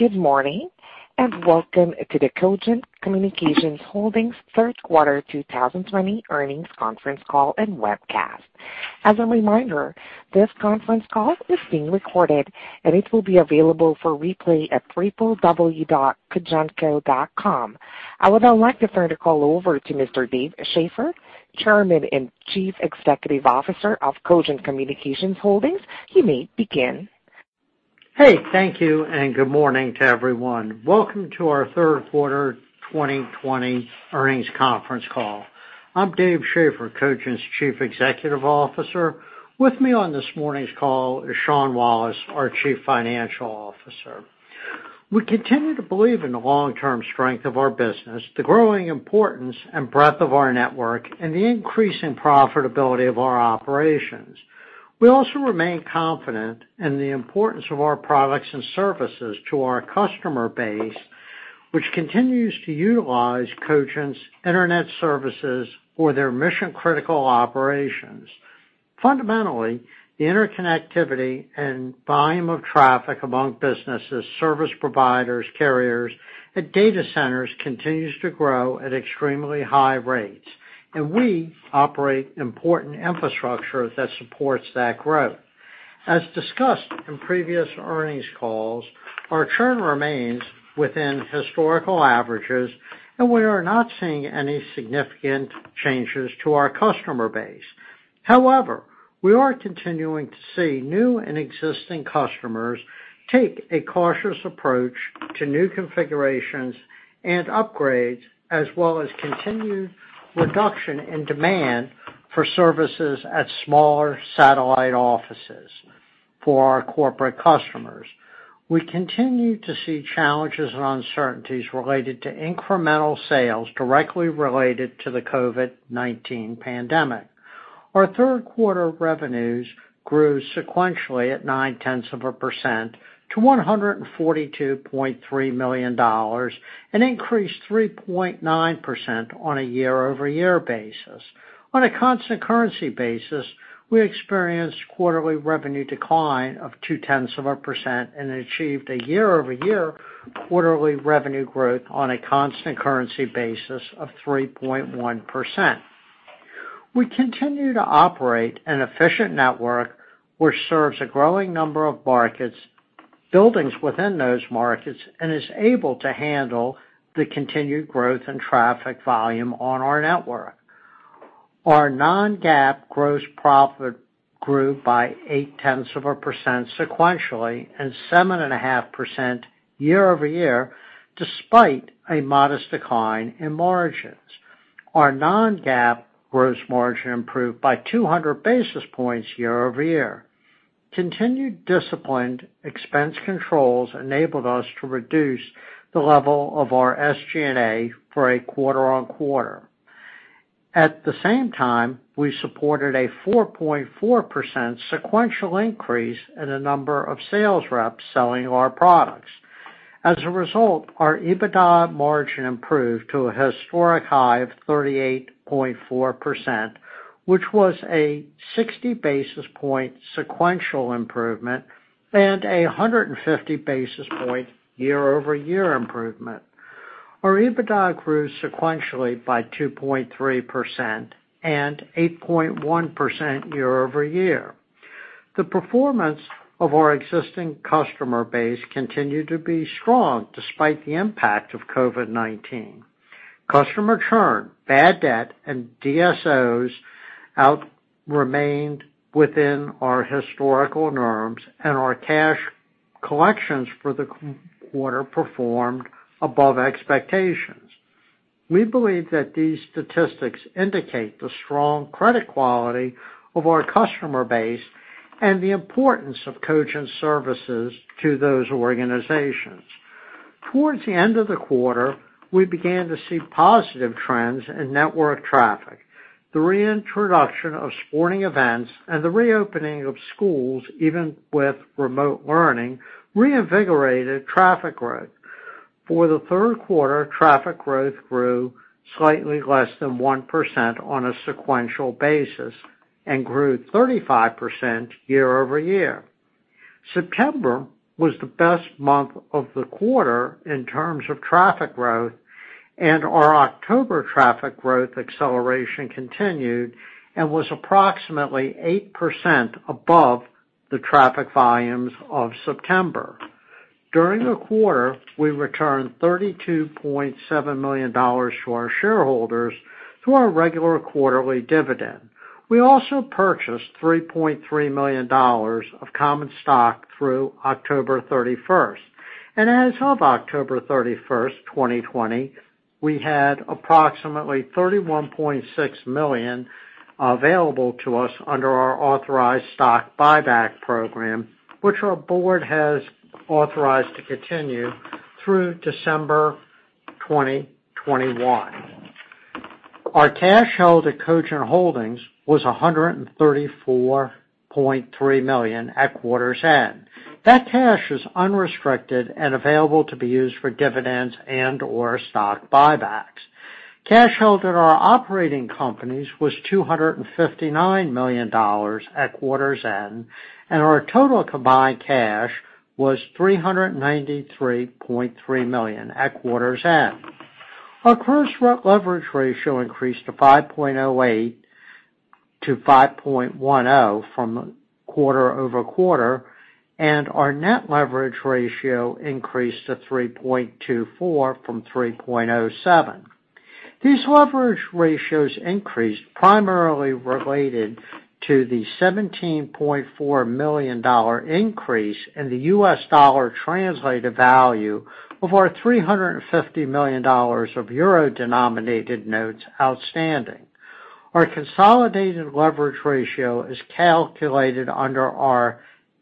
Good morning, and welcome to the Cogent Communications Holdings third quarter 2020 earnings conference call and webcast. As a reminder, this conference call is being recorded and it will be available for replay at www.cogentco.com. I would now like to turn the call over to Mr. Dave Schaeffer, Chairman and Chief Executive Officer of Cogent Communications Holdings. You may begin. Hey, thank you, and good morning to everyone. Welcome to our third quarter 2020 earnings conference call. I'm Dave Schaeffer, Cogent's Chief Executive Officer. With me on this morning's call is Sean Wallace, our Chief Financial Officer. We continue to believe in the long-term strength of our business, the growing importance and breadth of our network, and the increasing profitability of our operations. We also remain confident in the importance of our products and services to our customer base, which continues to utilize Cogent's Internet services for their mission-critical operations. Fundamentally, the interconnectivity and volume of traffic among businesses, service providers, carriers, and data centers continues to grow at extremely high rates, and we operate important infrastructure that supports that growth. As discussed in previous earnings calls, our churn remains within historical averages, and we are not seeing any significant changes to our customer base. However, we are continuing to see new and existing customers take a cautious approach to new configurations and upgrades, as well as continued reduction in demand for services at smaller satellite offices for our Corporate Customers. We continue to see challenges and uncertainties related to incremental sales directly related to the COVID-19 pandemic. Our third quarter revenues grew sequentially at 0.9% to $142.3 million, an increase 3.9% on a year-over-year basis. On a constant currency basis, we experienced quarterly revenue decline of 0.2% and achieved a year-over-year quarterly revenue growth on a constant currency basis of 3.1%. We continue to operate an efficient network which serves a growing number of markets, buildings within those markets, and is able to handle the continued growth in traffic volume on our network. Our non-GAAP gross profit grew by 0.8% sequentially and 7.5% year-over-year, despite a modest decline in margins. Our non-GAAP gross margin improved by 200 basis points year-over-year. Continued disciplined expense controls enabled us to reduce the level of our SG&A for a quarter-on-quarter. At the same time, we supported a 4.4% sequential increase in the number of sales reps selling our products. As a result, our EBITDA margin improved to a historic high of 38.4%, which was a 60 basis point sequential improvement and a 150 basis point year-over-year improvement. Our EBITDA grew sequentially by 2.3% and 8.1% year-over-year. The performance of our existing customer base continued to be strong despite the impact of COVID-19. Customer churn, bad debt, and DSOs remained within our historical norms, and our cash collections for the quarter performed above expectations. We believe that these statistics indicate the strong credit quality of our customer base and the importance of Cogent's services to those organizations. Towards the end of the quarter, we began to see positive trends in network traffic. The reintroduction of sporting events and the reopening of schools, even with remote learning, reinvigorated traffic growth. For the third quarter, traffic growth grew slightly less than 1% on a sequential basis and grew 35% year-over-year. September was the best month of the quarter in terms of traffic growth. Our October traffic growth acceleration continued and was approximately 8% above the traffic volumes of September. During the quarter, we returned $32.7 million to our shareholders through our regular quarterly dividend. We also purchased $3.3 million of common stock through October 31st. As of October 31st, 2020, we had approximately $31.6 million available to us under our authorized stock buyback program, which our Board has authorized to continue through December 2021. Our cash held at Cogent Communications Holdings was $134.3 million at quarter's end. That cash is unrestricted and available to be used for dividends and/or stock buyback. Cash held at our operating companies was $259 million at quarter's end. Our total combined cash was $393.3 million at quarter's end. Our current leverage ratio increased to 5.08x-5.10x from quarter-over-quarter. Our net leverage ratio increased to 3.24x from 3.07x. These leverage ratios increased primarily related to the $17.4 million increase in the U.S. dollar translator value of our EUR 350 million of euro-denominated notes outstanding. Our consolidated leverage ratio is calculated under our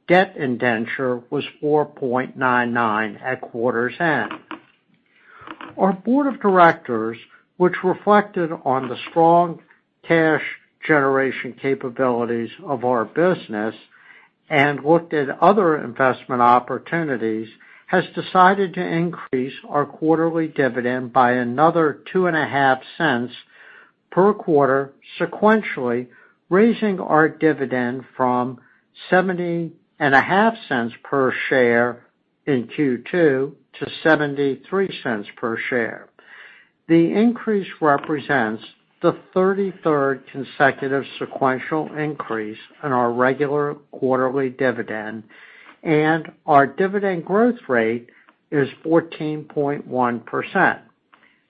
debt indenture was 4.99x at quarter's end. Our Board of Directors, which reflected on the strong cash generation capabilities of our business and looked at other investment opportunities, has decided to increase our quarterly dividend by another $0.025 per quarter, sequentially, raising our dividend from $0.705 per share in Q2 to $0.73 per share. The increase represents the 33rd consecutive sequential increase in our regular quarterly dividend, and our dividend growth rate is 14.1%.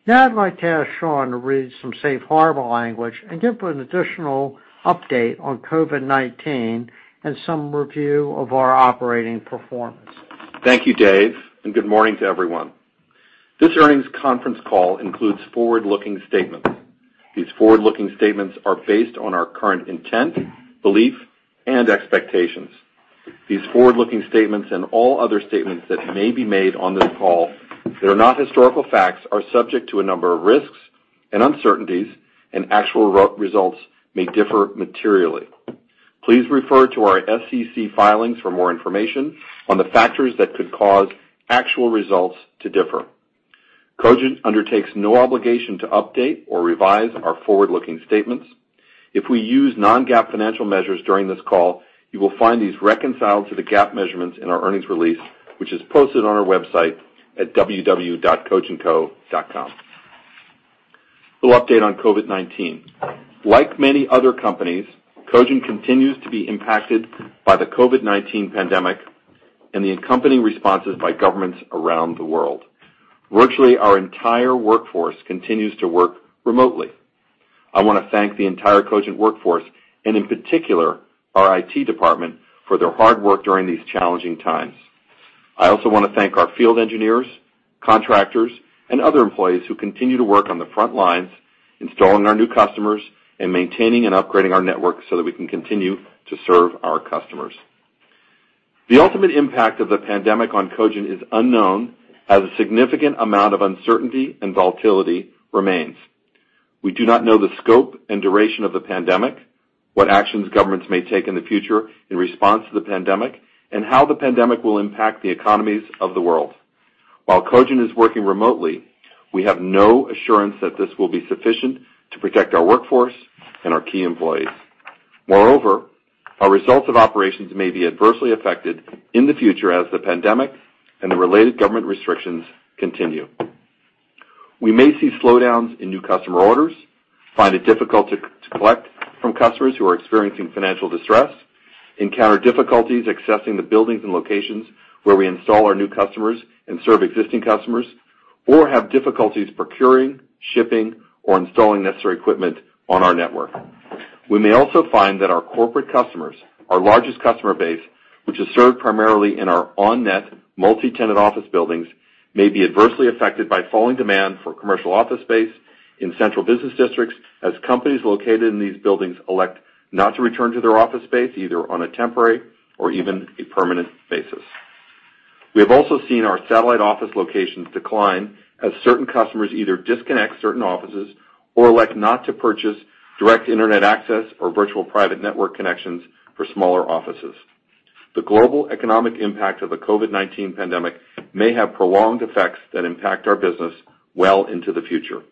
Now I'd like to ask Sean to read some safe harbor language and give an additional update on COVID-19 and some review of our operating performance. Thank you, Dave, and good morning to everyone. This earnings conference call includes forward-looking statements. These forward-looking statements are based on our current intent, belief, and expectations. These forward-looking statements and all other statements that may be made on this call that are not historical facts are subject to a number of risks and uncertainties, and actual results may differ materially. Please refer to our SEC filings for more information on the factors that could cause actual results to differ. Cogent undertakes no obligation to update or revise our forward-looking statements. If we use non-GAAP financial measures during this call, you will find these reconciled to the GAAP measurements in our earnings release, which is posted on our website at www.cogentco.com. A little update on COVID-19. Like many other companies, Cogent continues to be impacted by the COVID-19 pandemic and the accompanying responses by governments around the world. Virtually our entire workforce continues to work remotely. I want to thank the entire Cogent workforce, and in particular our IT department, for their hard work during these challenging times. I also want to thank our field engineers, contractors, and other employees who continue to work on the front lines, installing our new customers and maintaining and upgrading our network so that we can continue to serve our customers. The ultimate impact of the pandemic on Cogent is unknown, as a significant amount of uncertainty and volatility remains. We do not know the scope and duration of the pandemic, what actions governments may take in the future in response to the pandemic, and how the pandemic will impact the economies of the world. While Cogent is working remotely, we have no assurance that this will be sufficient to protect our workforce and our key employees. Moreover, our results of operations may be adversely affected in the future as the pandemic and the related government restrictions continue. We may see slowdowns in new customer orders, find it difficult to collect from customers who are experiencing financial distress, encounter difficulties accessing the buildings and locations where we install our new customers and serve existing customers, or have difficulties procuring, shipping, or installing necessary equipment on our network. We may also find that our Corporate Customers, our largest customer base, which is served primarily in our OnNet multi-tenant office buildings, may be adversely affected by falling demand for commercial office space in central business districts as companies located in these buildings elect not to return to their office space, either on a temporary or even a permanent basis. We have also seen our satellite office locations decline as certain customers either disconnect certain offices or elect not to purchase direct Internet access or virtual private network connections for smaller offices. The global economic impact of the COVID-19 pandemic may have prolonged effects that impact our business well into the future.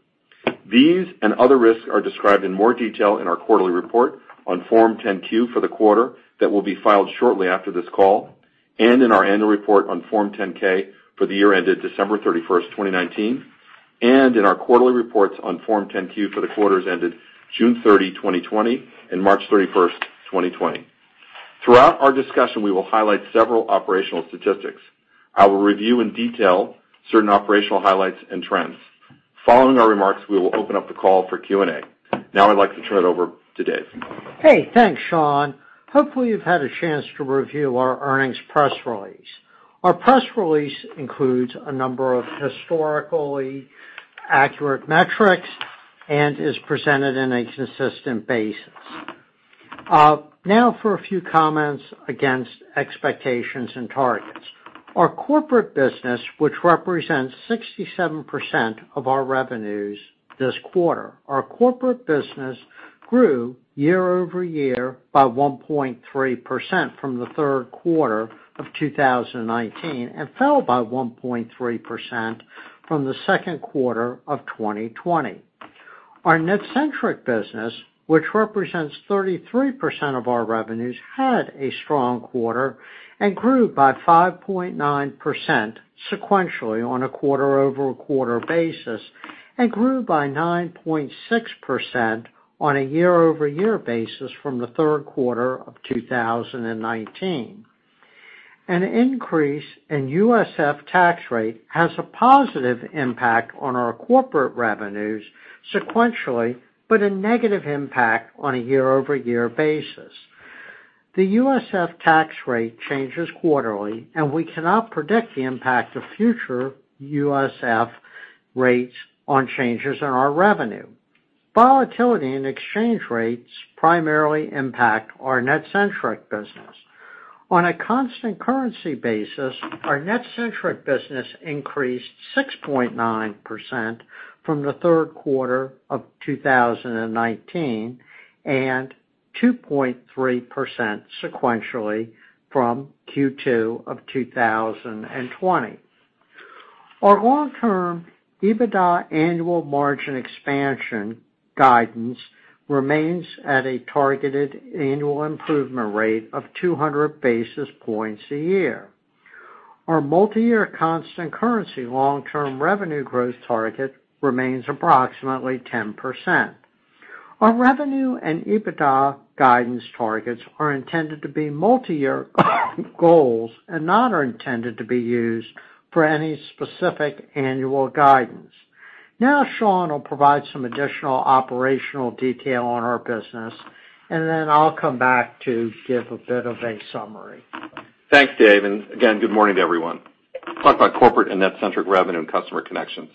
These and other risks are described in more detail in our quarterly report on Form 10-Q for the quarter that will be filed shortly after this call, and in our annual report on Form 10-K for the year ended December 31st, 2019, and in our quarterly reports on Form 10-Q for the quarters ended June 30, 2020, and March 31st, 2020. Throughout our discussion, we will highlight several operational statistics. I will review in detail certain operational highlights and trends. Following our remarks, we will open up the call for Q&A. Now I'd like to turn it over to Dave. Hey, thanks, Sean. Hopefully, you've had a chance to review our earnings press release. Our press release includes a number of historically accurate metrics and is presented in a consistent basis. Now for a few comments against expectations and targets. Our Corporate business, which represents 67% of our revenues this quarter, grew year-over-year by 1.3% from the third quarter of 2019 and fell by 1.3% from the second quarter of 2020. Our Netcentric business, which represents 33% of our revenues, had a strong quarter and grew by 5.9% sequentially on a quarter-over-quarter basis, and grew by 9.6% on a year-over-year basis from the third quarter of 2019. An increase in USF tax rate has a positive impact on our corporate revenues sequentially, but a negative impact on a year-over-year basis. The USF tax rate changes quarterly, and we cannot predict the impact of future USF rates on changes in our revenue. Volatility in exchange rates primarily impact our Netcentric business. On a constant currency basis, our Netcentric business increased 6.9% from the third quarter of 2019, and 2.3% sequentially from Q2 of 2020. Our long-term EBITDA annual margin expansion guidance remains at a targeted annual improvement rate of 200 basis points a year. Our multi-year constant currency long-term revenue growth target remains approximately 10%. Our revenue and EBITDA guidance targets are intended to be multi-year goals and not are intended to be used for any specific annual guidance. Now, Sean will provide some additional operational detail on our business, and then I'll come back to give a bit of a summary. Thanks, Dave, and again, good morning to everyone. Talk about corporate and Netcentric revenue and customer connections.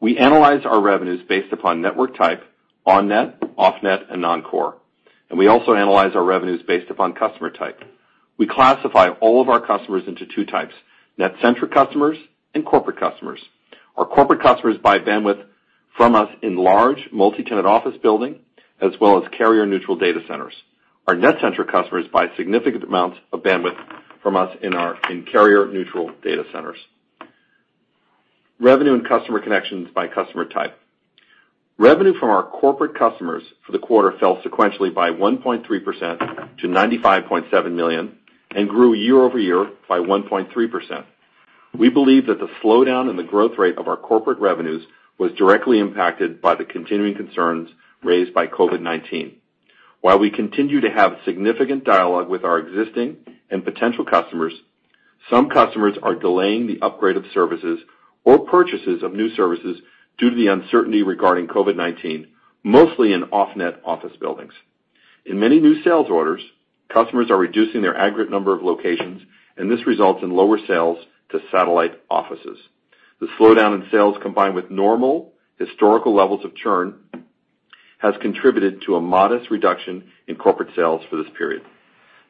We analyze our revenues based upOnNetwork type, OnNet, OffNet, and non-core, and we also analyze our revenues based upon customer type. We classify all of our customers into two types, Netcentric customers and Corporate Customers. Our Corporate Customers buy bandwidth from us in large multi-tenant office building, as well as carrier-neutral data centers. Our Netcentric customers buy significant amounts of bandwidth from us in carrier-neutral data centers. Revenue and customer connections by customer type. Revenue from our Corporate Customers for the quarter fell sequentially by 1.3% to $95.7 million and grew year-over-year by 1.3%. We believe that the slowdown in the growth rate of our corporate revenues was directly impacted by the continuing concerns raised by COVID-19. While we continue to have significant dialogue with our existing and potential customers, some customers are delaying the upgrade of services or purchases of new services due to the uncertainty regarding COVID-19, mostly in OffNet office buildings. In many new sales orders, customers are reducing their aggregate number of locations and this results in lower sales to satellite offices. The slowdown in sales, combined with normal historical levels of churn, has contributed to a modest reduction in corporate sales for this period.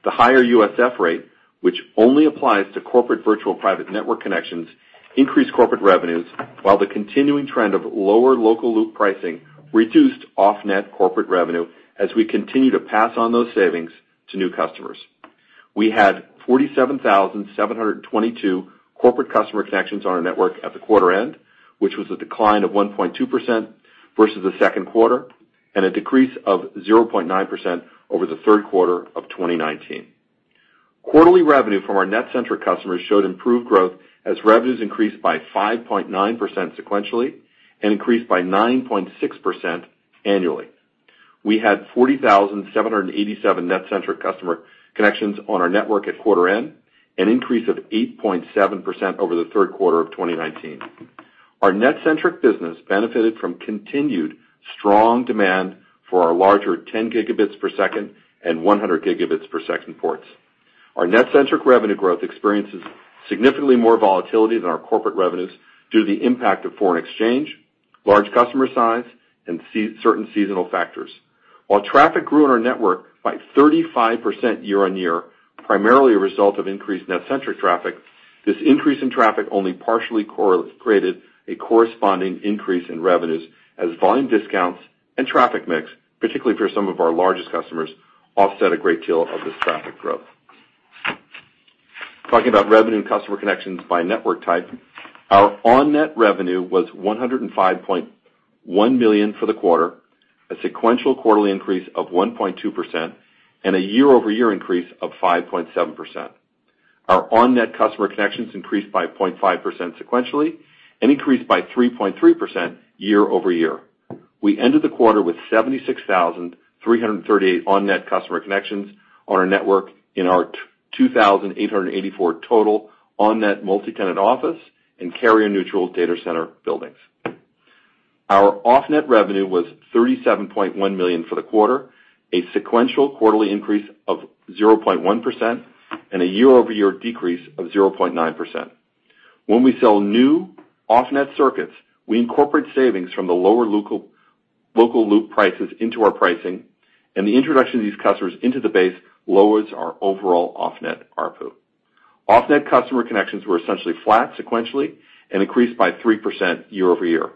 The higher USF rate, which only applies to corporate virtual private network connections, increased corporate revenues, while the continuing trend of lower local loop pricing reduced OffNet corporate revenue as we continue to pass on those savings to new customers. We had 47,722 Corporate Customer connections on our network at the quarter end, which was a decline of 1.2% versus the second quarter, and a decrease of 0.9% over the third quarter of 2019. Quarterly revenue from our Netcentric customers showed improved growth as revenues increased by 5.9% sequentially and increased by 9.6% annually. We had 40,787 Netcentric customer connections on our network at quarter end, an increase of 8.7% over the third quarter of 2019. Our Netcentric business benefited from continued strong demand for our larger 10 gbps and 100 gbps ports. Our Netcentric revenue growth experiences significantly more volatility than our corporate revenues due to the impact of foreign exchange, large customer size, and certain seasonal factors. While traffic grew on our network by 35% year-on-year, primarily a result of increased Netcentric traffic, this increase in traffic only partially created a corresponding increase in revenues as volume discounts and traffic mix, particularly for some of our largest customers, offset a great deal of this traffic growth. Talking about revenue and customer connections by network type, our OnNet revenue was $105.1 million for the quarter, a sequential quarterly increase of 1.2%, and a year-over-year increase of 5.7%. Our OnNet customer connections increased by 0.5% sequentially and increased by 3.3% year-over-year. We ended the quarter with 76,338 OnNet customer connections on our network in our 2,884 total OnNet multi-tenant office and carrier-neutral data center buildings. Our OffNet revenue was $37.1 million for the quarter, a sequential quarterly increase of 0.1%, and a year-over-year decrease of 0.9%. When we sell new OffNet circuits, we incorporate savings from the lower local loop prices into our pricing, and the introduction of these customers into the base lowers our overall OffNet ARPU. OffNet customer connections were essentially flat sequentially and increased by 3% year-over-year.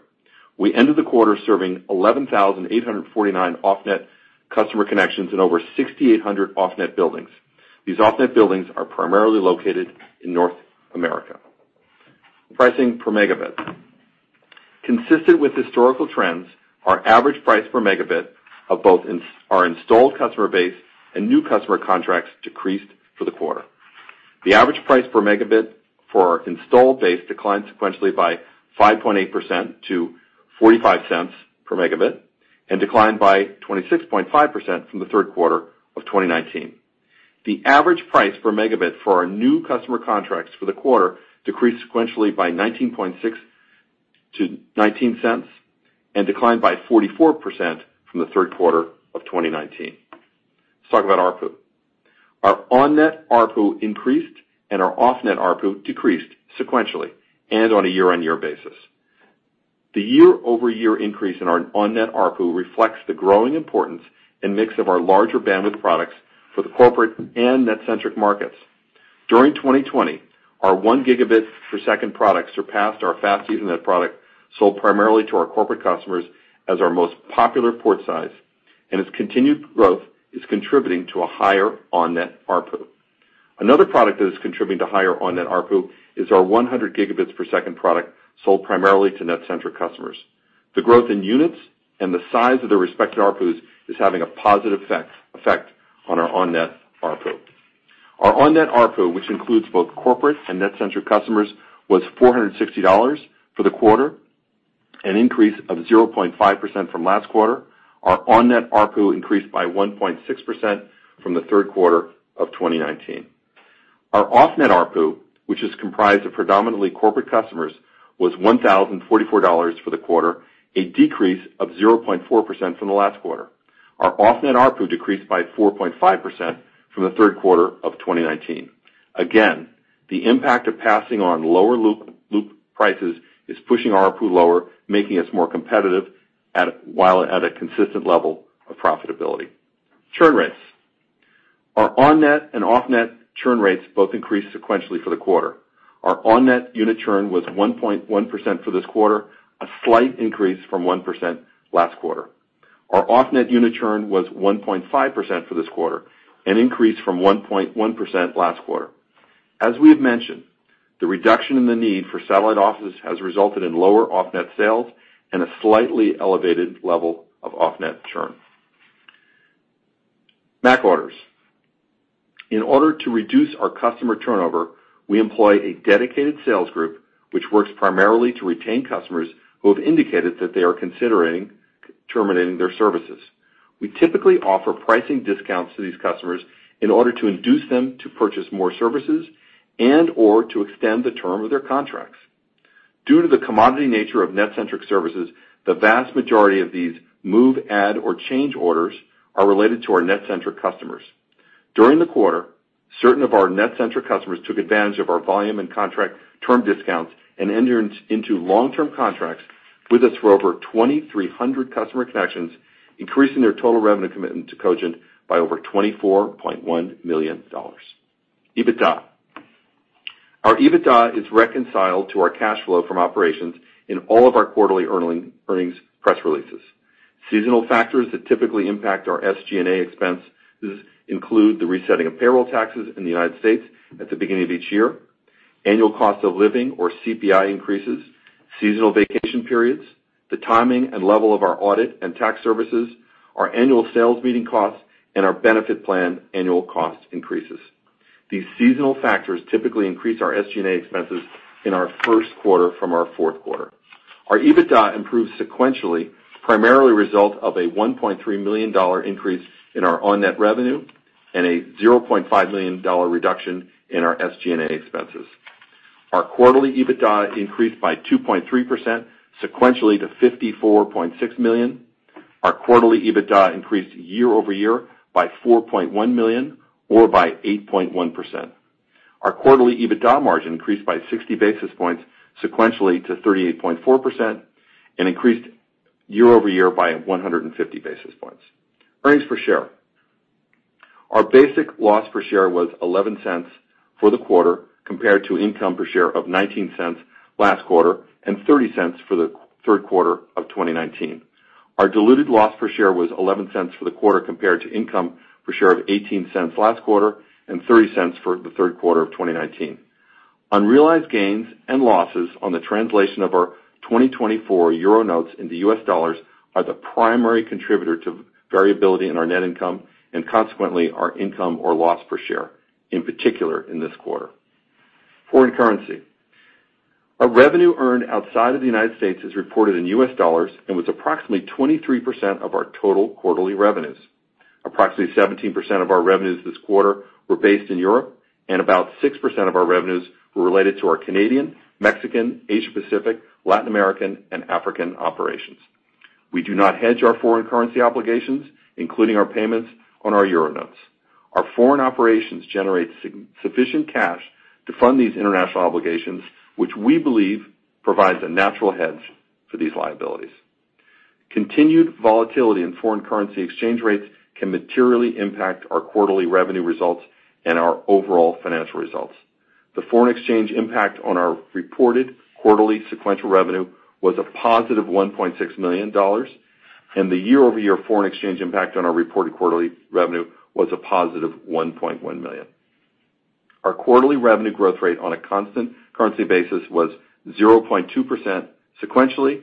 We ended the quarter serving 11,849 OffNet customer connections in over 6,800 OffNet buildings. These OffNet buildings are primarily located in North America. Pricing per megabit. Consistent with historical trends, our average price per megabit of both our installed customer base and new customer contracts decreased for the quarter. The average price per megabit for our installed base declined sequentially by 5.8% to $0.45 per megabit, and declined by 26.5% from the third quarter of 2019. The average price per megabit for our new customer contracts for the quarter decreased sequentially by 19.6% to $0.19, and declined by 44% from the third quarter of 2019. Let's talk about ARPU. Our OnNet ARPU increased and our OffNet ARPU decreased sequentially, and on a year-on-year basis. The year-over-year increase in our OnNet ARPU reflects the growing importance and mix of our larger bandwidth products for the Corporate and Netcentric markets. During 2020, our 1 gbps product surpassed our fast Ethernet product, sold primarily to our Corporate Customers, as our most popular port size, and its continued growth is contributing to a higher OnNet ARPU. Another product that is contributing to higher OnNet ARPU is our 100 gbps product, sold primarily to Netcentric customers. The growth in units and the size of the respective ARPUs is having a positive effect on our OnNet ARPU. Our OnNet ARPU, which includes both corporate and Netcentric customers, was $460 for the quarter, an increase of 0.5% from last quarter. Our OnNet ARPU increased by 1.6% from the third quarter of 2019. Our OffNet ARPU, which is comprised of predominantly Corporate Customers, was $1,044 for the quarter, a decrease of 0.4% from the last quarter. Our OffNet ARPU decreased by 4.5% from the third quarter of 2019. Again, the impact of passing on lower loop prices is pushing ARPU lower, making us more competitive while at a consistent level of profitability. Churn rates. Our OnNet and OffNet churn rates both increased sequentially for the quarter. Our OnNet unit churn was 1.1% for this quarter, a slight increase from 1% last quarter. Our OffNet unit churn was 1.5% for this quarter, an increase from 1.1 % last quarter. As we have mentioned, the reduction in the need for satellite offices has resulted in lower OffNet sales and a slightly elevated level of OffNet churn. MAC orders. In order to reduce our customer turnover, we employ a dedicated sales group, which works primarily to retain customers who have indicated that they are considering terminating their services. We typically offer pricing discounts to these customers in order to induce them to purchase more services and/or to extend the term of their contracts. Due to the commodity nature of Netcentric services, the vast majority of these move, add, or change orders are related to our Netcentric customers. During the quarter, certain of our Netcentric customers took advantage of our volume and contract term discounts and entered into long-term contracts with us for over 2,300 customer connections, increasing their total revenue commitment to Cogent by over $24.1 million. EBITDA. Our EBITDA is reconciled to our cash flow from operations in all of our quarterly earnings press releases. Seasonal factors that typically impact our SG&A expenses include the resetting of payroll taxes in the United States at the beginning of each year, annual cost of living or CPI increases, seasonal vacation periods, the timing and level of our audit and tax services, our annual sales meeting costs, and our benefit plan annual cost increases. These seasonal factors typically increase our SG&A expenses in our first quarter from our fourth quarter. Our EBITDA improved sequentially, primarily a result of a $1.3 million increase in our OnNet revenue and a $0.5 million reduction in our SG&A expenses. Our quarterly EBITDA increased by 2.3% sequentially to $54.6 million. Our quarterly EBITDA increased year-over-year by $4.1 million or by 8.1%. Our quarterly EBITDA margin increased by 60 basis points sequentially to 38.4% and increased year-over-year by 150 basis points. Earnings per share. Our basic loss per share was $0.11 for the quarter, compared to income per share of $0.19 last quarter, and $0.30 for the third quarter of 2019. Our diluted loss per share was $0.11 for the quarter compared to income per share of $0.18 last quarter and $0.30 for the third quarter of 2019. Unrealized gains and losses on the translation of our 2024 euro notes into U.S. dollars are the primary contributor to variability in our net income and consequently, our income or loss per share, in particular in this quarter. Foreign currency. Our revenue earned outside of the United States is reported in U.S. dollars and was approximately 23% of our total quarterly revenues. Approximately 17% of our revenues this quarter were based in Europe and about 6% of our revenues were related to our Canadian, Mexican, Asia-Pacific, Latin American, and African operations. We do not hedge our foreign currency obligations, including our payments on our euro notes. Our foreign operations generate sufficient cash to fund these international obligations, which we believe provides a natural hedge for these liabilities. Continued volatility in foreign currency exchange rates can materially impact our quarterly revenue results and our overall financial results. The foreign exchange impact on our reported quarterly sequential revenue was a $+1.6 million and the year-over-year foreign exchange impact on our reported quarterly revenue was a $+1.1 million. Our quarterly revenue growth rate on a constant currency basis was 0.2% sequentially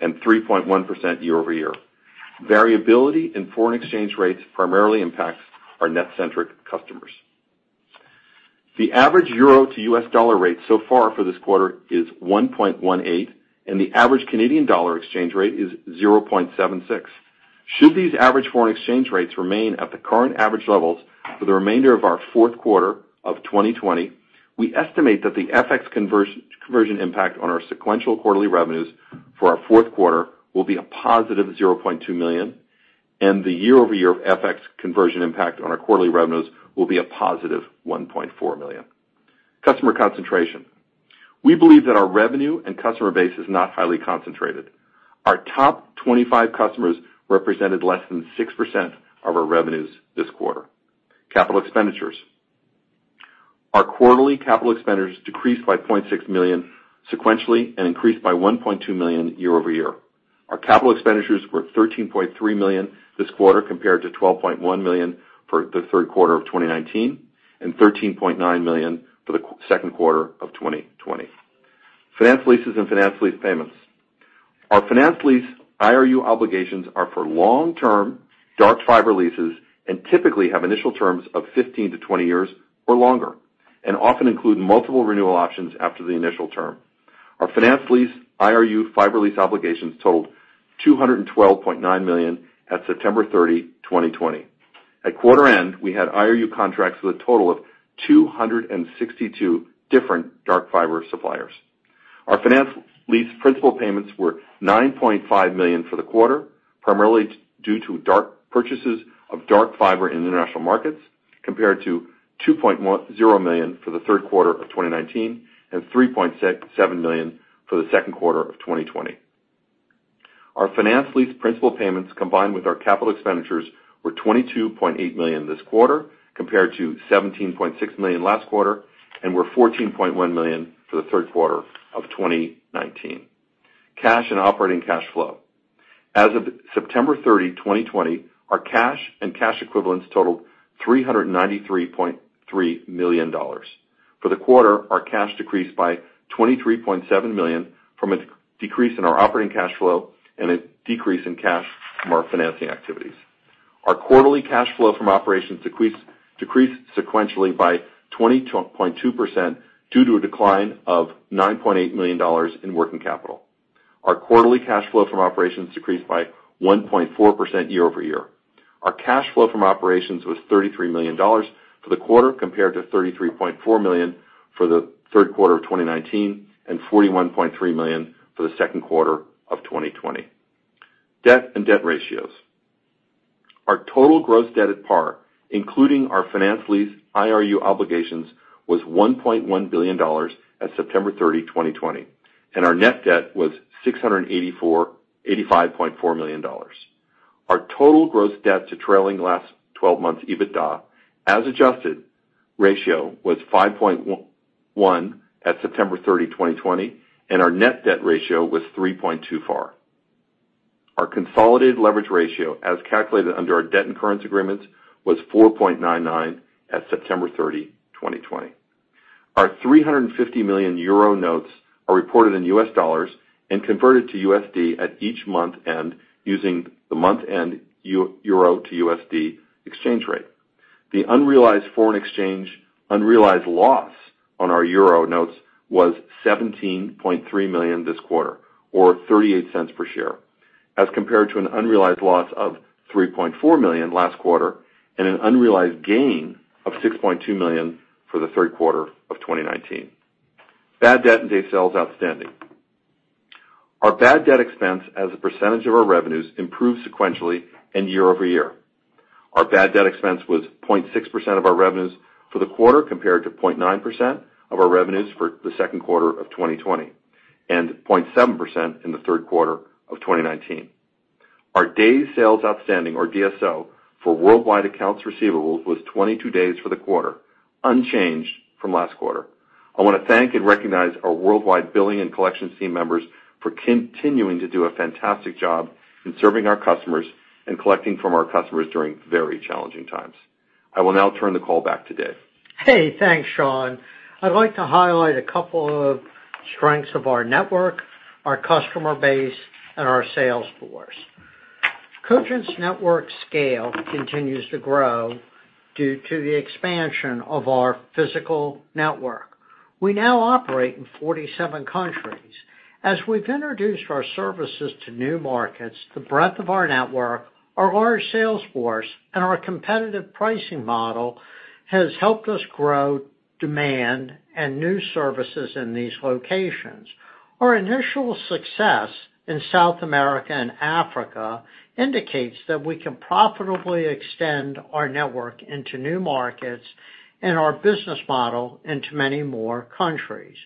and 3.1% year-over-year. Variability in foreign exchange rates primarily impacts our Netcentric customers. The average euro to U.S. dollar rate so far for this quarter is 1.18, and the average Canadian dollar exchange rate is 0.76. Should these average foreign exchange rates remain at the current average levels for the remainder of our fourth quarter of 2020, we estimate that the FX conversion impact on our sequential quarterly revenues for our fourth quarter will be a $+0.2 million, and the year-over-year FX conversion impact on our quarterly revenues will be a $+1.4 million. Customer concentration. We believe that our revenue and customer base is not highly concentrated. Our top 25 customers represented less than 6% of our revenues this quarter. Capital expenditures. Our quarterly capital expenditures decreased by $0.6 million sequentially and increased by $1.2 million year-over-year. Our capital expenditures were $13.3 million this quarter, compared to $12.1 million for the third quarter of 2019, and $13.9 million for the second quarter of 2020. Finance leases and finance lease payments. Our finance lease IRU obligations are for long-term dark fiber leases and typically have initial terms of 15-20 years or longer, and often include multiple renewal options after the initial term. Our finance lease IRU fiber lease obligations totaled $212.9 million at September 30, 2020. At quarter end, we had IRU contracts with a total of 262 different dark fiber suppliers. Our finance lease principal payments were $9.5 million for the quarter, primarily due to dark purchases of dark fiber in international markets, compared to $2.0 million for the third quarter of 2019, and $3.67 million for the second quarter of 2020. Our finance lease principal payments, combined with our capital expenditures, were $22.8 million this quarter, compared to $17.6 million last quarter, and were $14.1 million for the third quarter of 2019. Cash and operating cash flow. As of September 30, 2020, our cash and cash equivalents totaled $393.3 million. For the quarter, our cash decreased by $23.7 million from a decrease in our operating cash flow and a decrease in cash from our financing activities. Our quarterly cash flow from operations decreased sequentially by 22.2% due to a decline of $9.8 million in working capital. Our quarterly cash flow from operations decreased by 1.4% year-over-year. Our cash flow from operations was $33 million for the quarter, compared to $33.4 million for the third quarter of 2019, and $41.3 million for the second quarter of 2020. Debt and debt ratios. Our total gross debt at par, including our finance lease IRU obligations, was $1.1 billion at September 30, 2020, and our net debt was $685.4 million. Our total gross debt to trailing last 12 months EBITDA, as adjusted, ratio was 5.1 at September 30, 2020, and our net debt ratio was 3.24. Our consolidated leverage ratio, as calculated under our debt incurrence agreements, was 4.99 at September 30, 2020. Our 350 million euro notes are reported in U.S. dollar and converted to USD at each month-end using the month-end euro to USD exchange rate. The unrealized foreign exchange loss on our euro notes was $17.3 million this quarter, or $0.38 per share, as compared to an unrealized loss of $3.4 million last quarter and an unrealized gain of $6.2 million for the third quarter of 2019. Bad debt and days sales outstanding. Our bad debt expense as a percentage of our revenues improved sequentially and year-over-year. Our bad debt expense was 0.6% of our revenues for the quarter, compared to 0.9% of our revenues for the second quarter of 2020, and 0.7% in the third quarter of 2019. Our days sales outstanding, or DSO, for worldwide accounts receivables was 22 days for the quarter, unchanged from last quarter. I want to thank and recognize our worldwide billing and collections team members for continuing to do a fantastic job in serving our customers and collecting from our customers during very challenging times. I will now turn the call back to Dave. Hey, thanks, Sean. I'd like to highlight a couple of strengths of our network, our customer base, and our sales force. Cogent's network scale continues to grow due to the expansion of our physical network. We now operate in 47 countries. As we've introduced our services to new markets, the breadth of our network, our large sales force, and our competitive pricing model has helped us grow demand and new services in these locations. Our initial success in South America and Africa indicates that we can profitably extend our network into new markets and our business model into many more countries.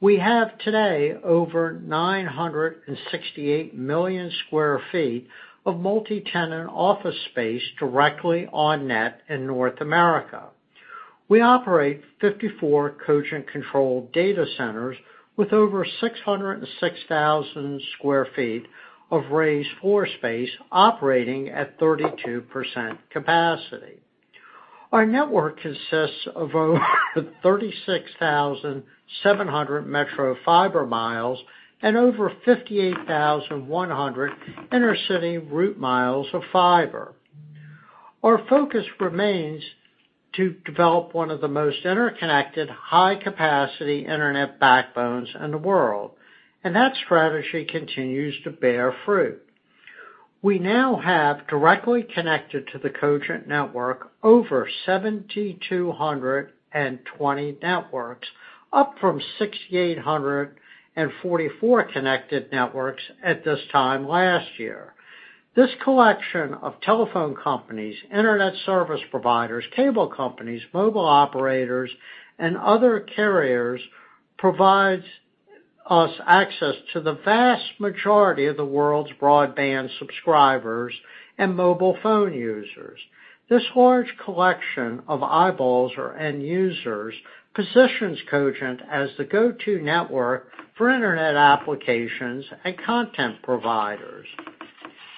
We have today over 968 million sq ft of multi-tenant office space directly OnNet in North America. We operate 54 Cogent-controlled data centers with over 606,000 sq ft of raised floor space operating at 32% capacity. Our network consists of over 36,700 metro fiber miles and over 58,100 inner-city route miles of fiber. Our focus remains to develop one of the most interconnected, high-capacity Internet backbones in the world, and that strategy continues to bear fruit. We now have directly connected to the Cogent network over 7,220 networks, up from 6,844 connected networks at this time last year. This collection of telephone companies, Internet service providers, cable companies, mobile operators, and other carriers provides us access to the vast majority of the world's broadband subscribers and mobile phone users. This large collection of eyeballs or end users positions Cogent as the go-to network for Internet applications and content providers.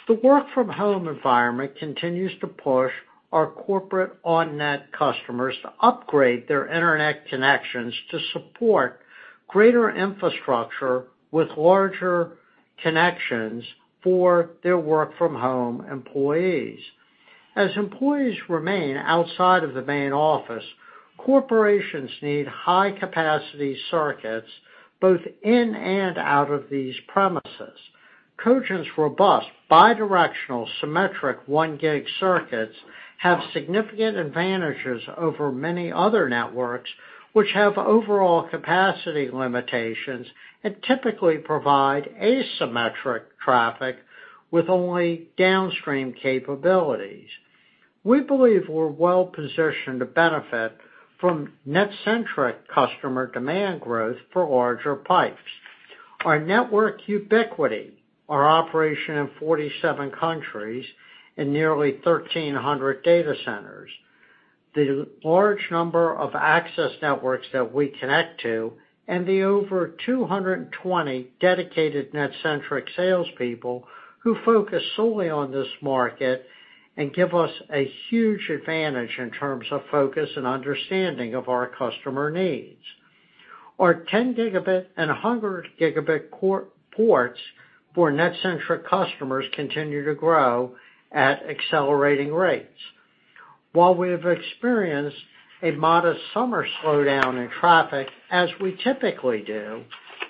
The work-from-home environment continues to push our corporate OnNet customers to upgrade their Internet connections to support greater infrastructure with larger connections for their work-from-home employees. As employees remain outside of the main office, corporations need high-capacity circuits both in and out of these premises. Cogent's robust, bi-directional, symmetric 1 G circuits have significant advantages over many other networks, which have overall capacity limitations and typically provide asymmetric traffic with only downstream capabilities. We believe we're well-positioned to benefit from Netcentric customer demand growth for larger pipes. Our network ubiquity, our operation in 47 countries in nearly 1,300 data centers, the large number of access networks that we connect to, and the over 220 dedicated Netcentric salespeople who focus solely on this market and give us a huge advantage in terms of focus and understanding of our customer needs. Our 10 Gb and 100 Gb ports for Netcentric customers continue to grow at accelerating rates. While we have experienced a modest summer slowdown in traffic, as we typically do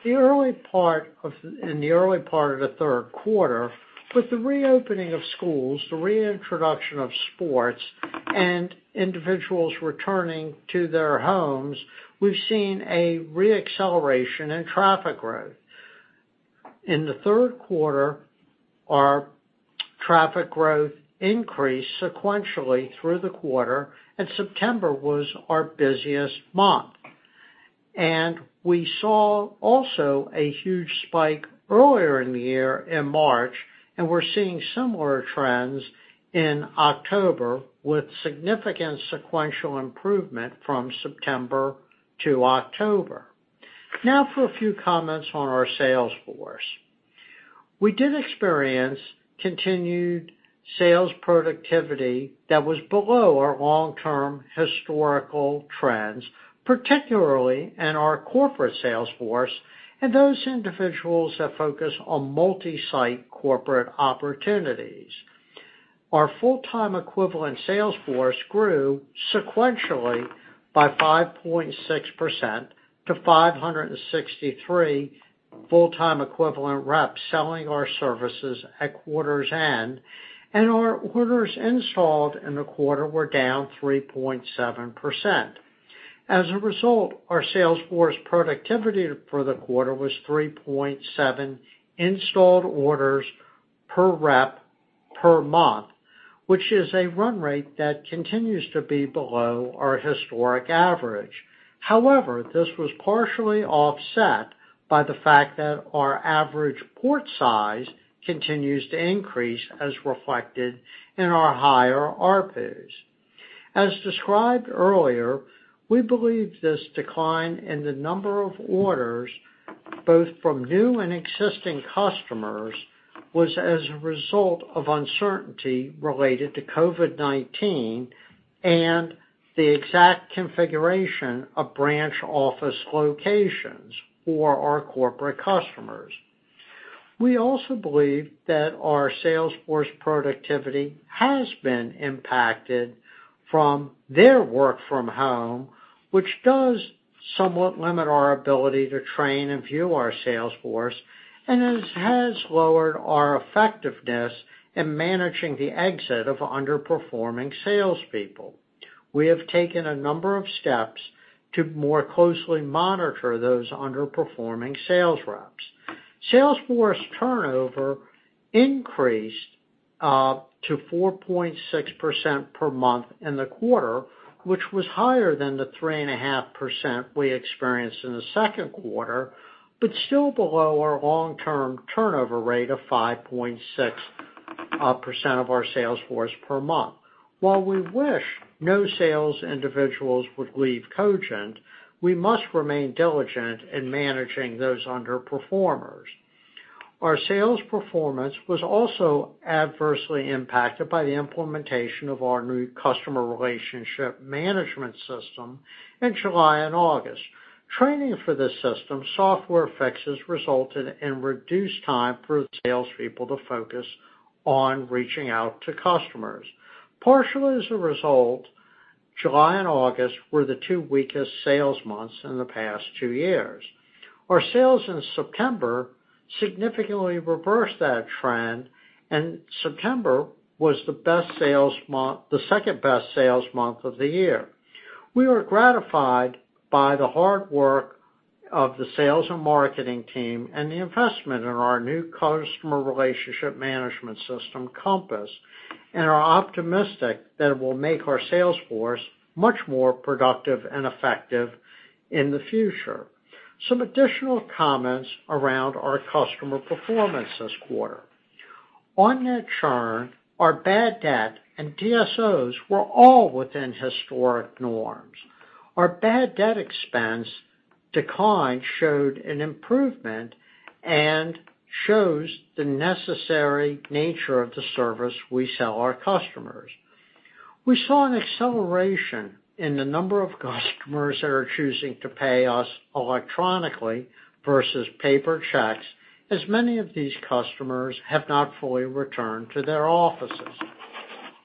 in the early part of the third quarter, with the reopening of schools, the reintroduction of sports, and individuals returning to their homes, we've seen a re-acceleration in traffic growth. In the third quarter, our traffic growth increased sequentially through the quarter, and September was our busiest month. We saw also a huge spike earlier in the year in March, and we're seeing similar trends in October, with significant sequential improvement from September to October. Now for a few comments on our sales force. We did experience continued sales productivity that was below our long-term historical trends, particularly in our corporate sales force and those individuals that focus on multi-site corporate opportunities. Our full-time equivalent sales force grew sequentially by 5.6% to 563 full-time equivalent reps selling our services at quarter's end, and our orders installed in the quarter were down 3.7%. As a result, our sales force productivity for the quarter was 3.7 installed orders per rep per month, which is a run rate that continues to be below our historic average. However, this was partially offset by the fact that our average port size continues to increase as reflected in our higher ARPUs. As described earlier, we believe this decline in the number of orders, both from new and existing customers, was as a result of uncertainty related to COVID-19 and the exact configuration of branch office locations for our Corporate Customers. We also believe that our sales force productivity has been impacted from their work from home, which does somewhat limit our ability to train and view our sales force and it has lowered our effectiveness in managing the exit of underperforming salespeople. We have taken a number of steps to more closely monitor those underperforming sales reps. Sales force turnover increased to 4.6% per month in the quarter, which was higher than the 3.5% we experienced in the second quarter, but still below our long-term turnover rate of 5.6% of our sales force per month. While we wish no sales individuals would leave Cogent, we must remain diligent in managing those underperformers. Our sales performance was also adversely impacted by the implementation of our new customer relationship management system in July and August. Training for this system, software fixes resulted in reduced time for the salespeople to focus on reaching out to customers. Partially as a result, July and August were the two weakest sales months in the past two years. Our sales in September significantly reversed that trend, and September was the second-best sales month of the year. We were gratified by the hard work of the sales and marketing team and the investment in our new customer relationship management system, Compass, and are optimistic that it will make our sales force much more productive and effective in the future. Some additional comments around our customer performance this quarter. OnNet churn, our bad debt, and DSOs were all within historic norms. Our bad debt expense decline showed an improvement and shows the necessary nature of the service we sell our customers. We saw an acceleration in the number of customers that are choosing to pay us electronically versus paper checks, as many of these customers have not fully returned to their offices.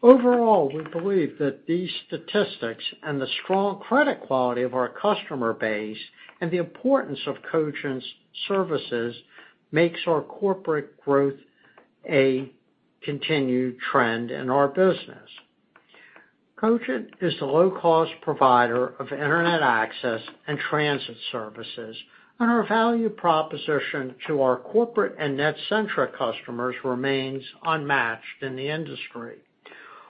Overall, we believe that these statistics and the strong credit quality of our customer base and the importance of Cogent's services makes our corporate growth a continued trend in our business. Cogent is the low-cost provider of Internet access and transit services, and our value proposition to our Corporate and Netcentric customers remains unmatched in the industry.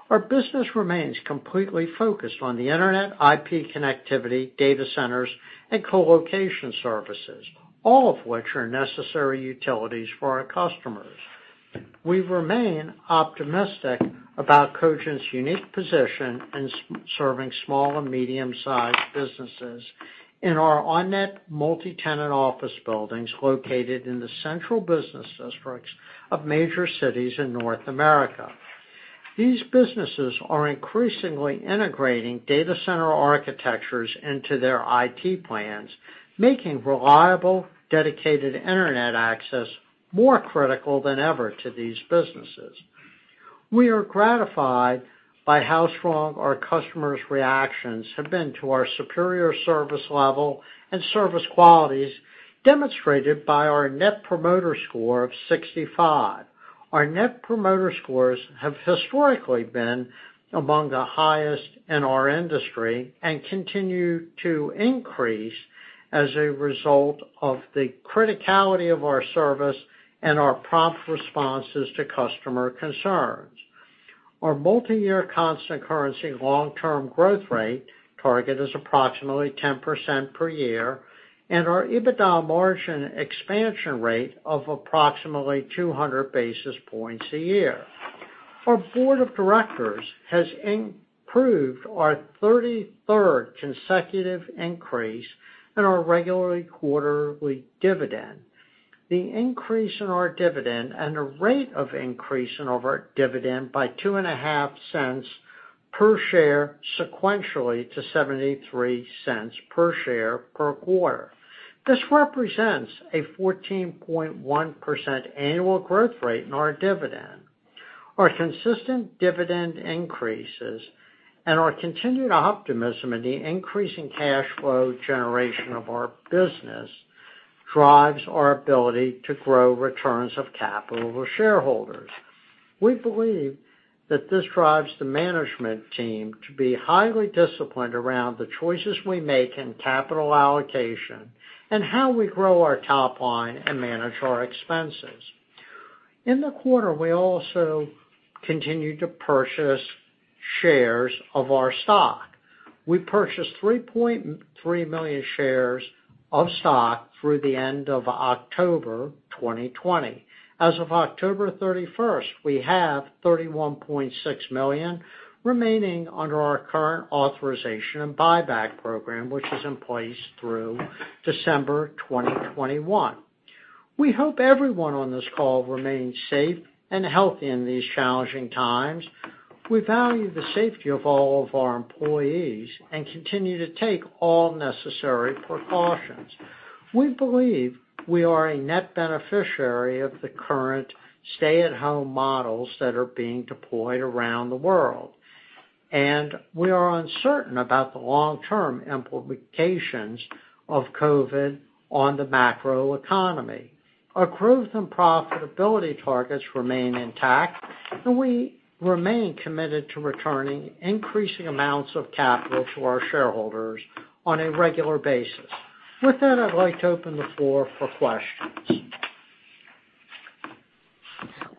Our business remains completely focused on the Internet, IP connectivity, data centers, and co-location services, all of which are necessary utilities for our customers. We remain optimistic about Cogent's unique position in serving small and medium-sized businesses in our OnNet multi-tenant office buildings located in the central business districts of major cities in North America. These businesses are increasingly integrating data center architectures into their IT plans, making reliable, dedicated Internet access more critical than ever to these businesses. We are gratified by how strong our customers' reactions have been to our superior service level and service qualities demonstrated by our net promoter score of 65. Our net promoter scores have historically been among the highest in our industry and continue to increase as a result of the criticality of our service and our prompt responses to customer concerns. Our multi-year constant currency long-term growth rate target is approximately 10% per year, and our EBITDA margin expansion rate of approximately 200 basis points a year. Our Board of Directors has approved our 33rd consecutive increase in our regular quarterly dividend. The increase in our dividend and the rate of increase in our dividend by $0.025 per share sequentially to $0.73 per share per quarter. This represents a 14.1% annual growth rate in our dividend. Our consistent dividend increases and our continued optimism in the increasing cash flow generation of our business drives our ability to grow returns of capital to shareholders. We believe that this drives the management team to be highly disciplined around the choices we make in capital allocation and how we grow our top line and manage our expenses. In the quarter, we also continued to purchase shares of our stock. We purchased 3.3 million shares of stock through the end of October 2020. As of October 31st, we have 31.6 million remaining under our current authorization and buyback program, which is in place through December 2021. We hope everyone on this call remains safe and healthy in these challenging times. We value the safety of all of our employees and continue to take all necessary precautions. We believe we are a net beneficiary of the current stay-at-home models that are being deployed around the world, and we are uncertain about the long-term implications of COVID on the macroeconomy. Our growth and profitability targets remain intact, and we remain committed to returning increasing amounts of capital to our shareholders on a regular basis. With that, I'd like to open the floor for questions.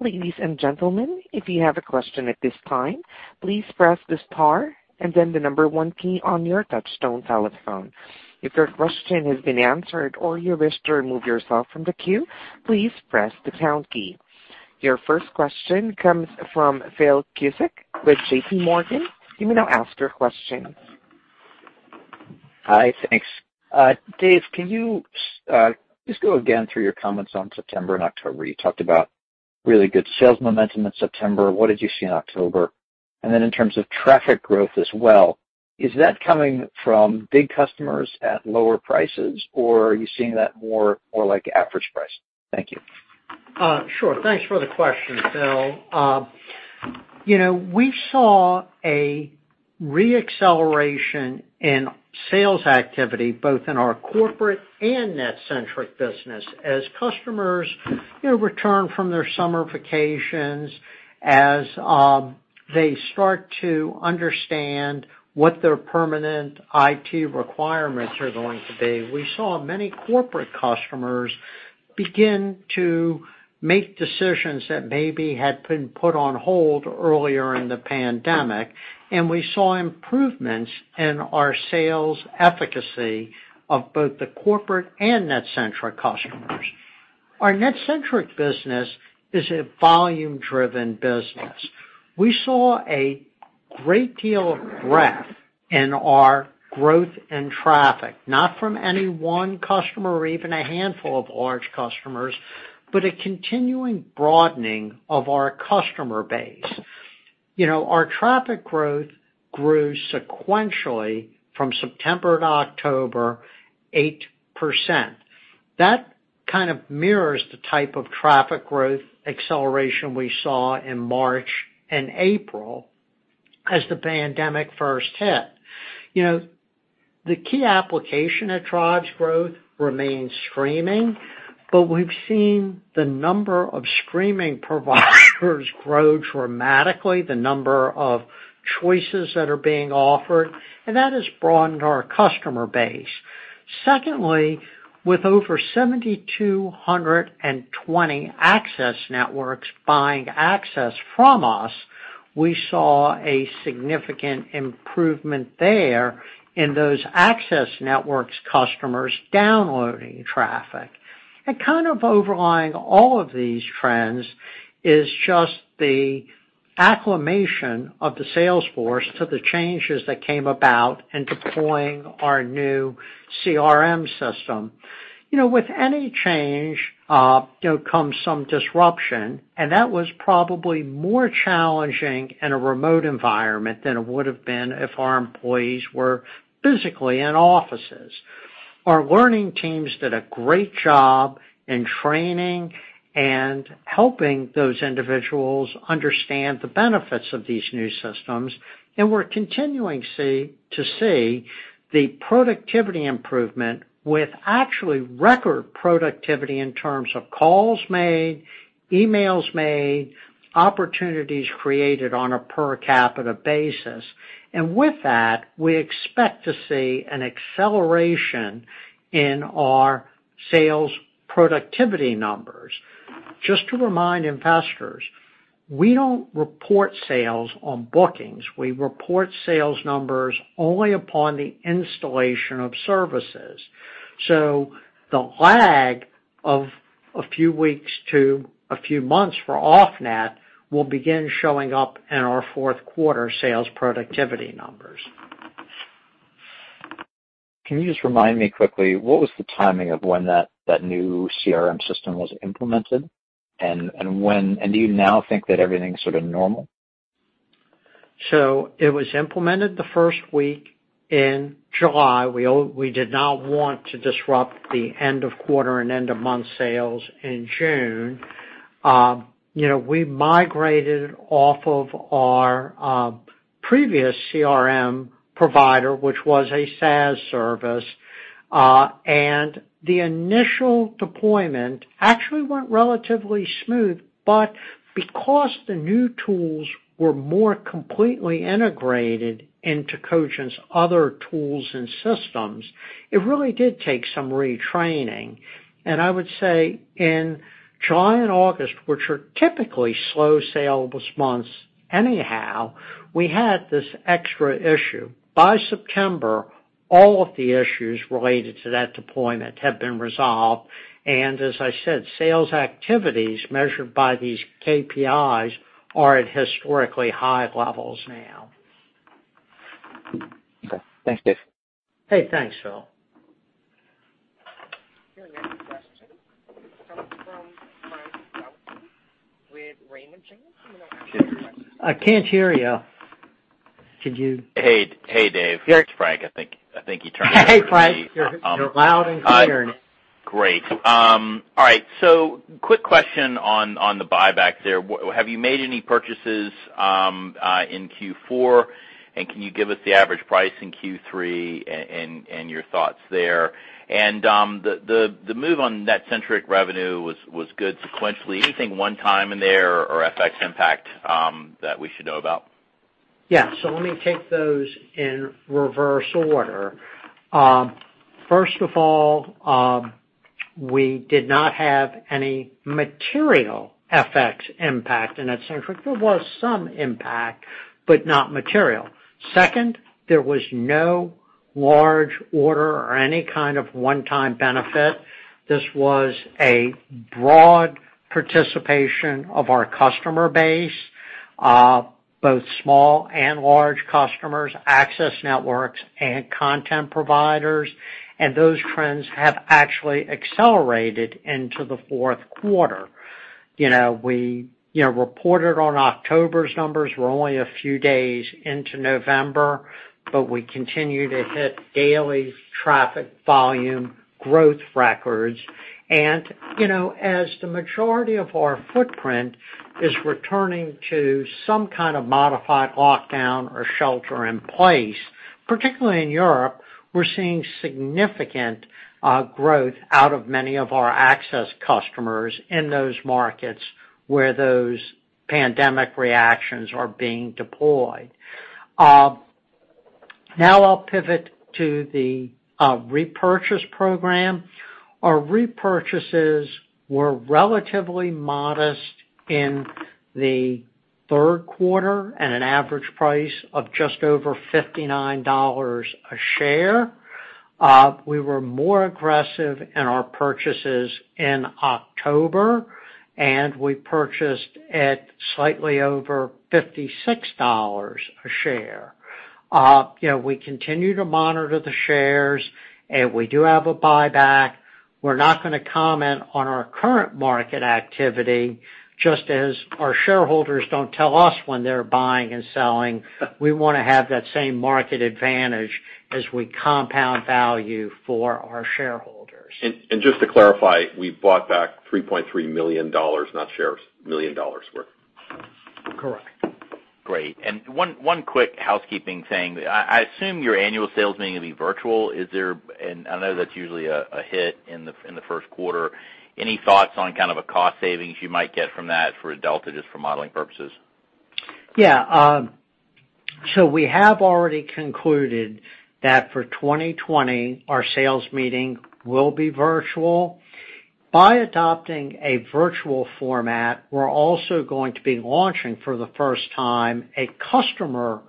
Ladies and gentlemen, if you have a question at this time, please press the star and then the number one key on your touchtone telephone. If your question has been answered or you wish to remove yourself from the queue, please press the pound key. Your first question comes from Phil Cusick with JPMorgan. You may now ask your question. Hi, thanks. Dave, can you just go again through your comments on September and October? You talked about really good sales momentum in September. What did you see in October? And then in terms of traffic growth as well, is that coming from big customers at lower prices, or are you seeing that more like average price? Thank you. Sure. Thanks for the question, Phil. We saw a re-acceleration in sales activity, both in our Corporate and Netcentric business, as customers return from their summer vacations, as they start to understand what their permanent IT requirements are going to be. We saw many Corporate Customers begin to make decisions that maybe had been put on hold earlier in the pandemic, and we saw improvements in our sales efficacy of both the Corporate and Netcentric customers. Our Netcentric business is a volume-driven business. We saw a great deal of breadth in our growth and traffic, not from any one customer or even a handful of large customers, but a continuing broadening of our customer base. Our traffic growth grew sequentially from September and October, 8%. That kind of mirrors the type of traffic growth acceleration we saw in March and April as the pandemic first hit. The key application that drives growth remains streaming, but we've seen the number of streaming providers grow dramatically, the number of choices that are being offered, and that has broadened our customer base. Secondly, with over 7,220 access networks buying access from us, we saw a significant improvement there in those access networks customers downloading traffic. Kind of overlying all of these trends is just the acclimation of the sales force to the changes that came about in deploying our new CRM system. With any change, comes some disruption, and that was probably more challenging in a remote environment than it would have been if our employees were physically in offices. Our learning teams did a great job in training and helping those individuals understand the benefits of these new systems, and we're continuing to see the productivity improvement with actually record productivity in terms of calls made, emails made, opportunities created on a per capita basis. With that, we expect to see an acceleration in our sales productivity numbers. Just to remind investors, we don't report sales on bookings. We report sales numbers only upon the installation of services so the lag of a few weeks to a few months for OffNet will begin showing up in our fourth quarter sales productivity numbers. Can you just remind me quickly, what was the timing of when that new CRM system was implemented? Do you now think that everything's sort of normal? It was implemented the first week in July. We did not want to disrupt the end of quarter and end of month sales in June. We migrated off of our previous CRM provider, which was a SaaS service. The initial deployment actually went relatively smooth, but because the new tools were more completely integrated into Cogent's other tools and systems, it really did take some retraining. I would say in July and August, which are typically slow sales months anyhow, we had this extra issue. By September, all of the issues related to that deployment had been resolved. As I said, sales activities measured by these KPIs are at historically high levels now. Okay. Thanks, Dave. Hey, thanks, Phil. Your next question comes from Frank Louthan with Raymond James. I can't hear you. Could you- Hey, Dave. It's Frank. I think you turned down your mute. Hey, Frank. You're loud and clear. Great. All right. Quick question on the buyback there? Have you made any purchases in Q4, and can you give us the average price in Q3 and your thoughts there? The move OnNetcentric revenue was good sequentially, anything one time in there or FX impact that we should know about? Yeah. Let me take those in reverse order. First of all, we did not have any material FX impact in Netcentric. I think there was some impact, but not material. Second, there was no large order or any kind of one-time benefit. This was a broad participation of our customer base. Both small and large customers, access networks and content providers. Those trends have actually accelerated into the fourth quarter. We reported on October's numbers. We're only a few days into November, but we continue to hit daily traffic volume growth records. As the majority of our footprint is returning to some kind of modified lockdown or shelter in place, particularly in Europe, we're seeing significant growth out of many of our access customers in those markets where those pandemic reactions are being deployed. Now I'll pivot to the repurchase program. Our repurchases were relatively modest in the third quarter at an average price of just over $59 a share. We were more aggressive in our purchases in October, and we purchased at slightly over $56 a share. We continue to monitor the shares, and we do have a buyback. We're not going to comment on our current market activity. Just as our shareholders don't tell us when they're buying and selling, we want to have that same market advantage as we compound value for our shareholders. Just to clarify, we bought back $3.3 million, not shares, million dollars' worth. Correct. Great. One quick housekeeping thing. I assume your annual sales meeting will be virtual. I know that's usually a hit in the first quarter. Any thoughts on a cost savings you might get from that for a delta, just for modeling purposes? Yeah. We have already concluded that for 2020, our sales meeting will be virtual. By adopting a virtual format, we're also going to be launching for the first time a customer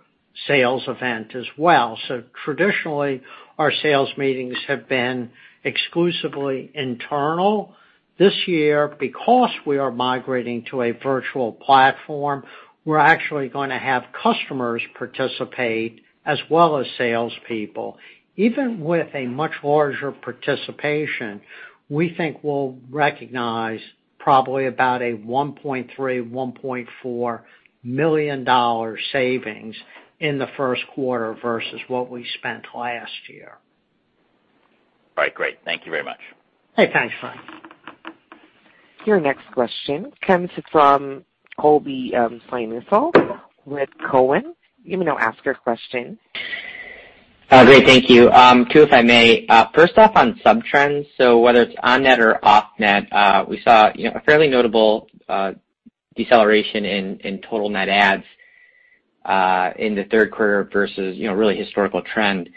sales event as well. Traditionally, our sales meetings have been exclusively internal. This year, because we are migrating to a virtual platform, we're actually going to have customers participate as well as salespeople. Even with a much larger participation, we think we'll recognize probably about a $1.3 million, $1.4 million savings in the first quarter versus what we spent last year. All right, great. Thank you very much. Hey, thanks, Frank. Your next question comes from Colby Synesael with Cowen. You may now ask your question. Great. Thank you. Two, if I may. First off, on sub-trends, whether it's OnNet or OffNet, we saw a fairly notable deceleration in total net adds in the third quarter versus really historical trend.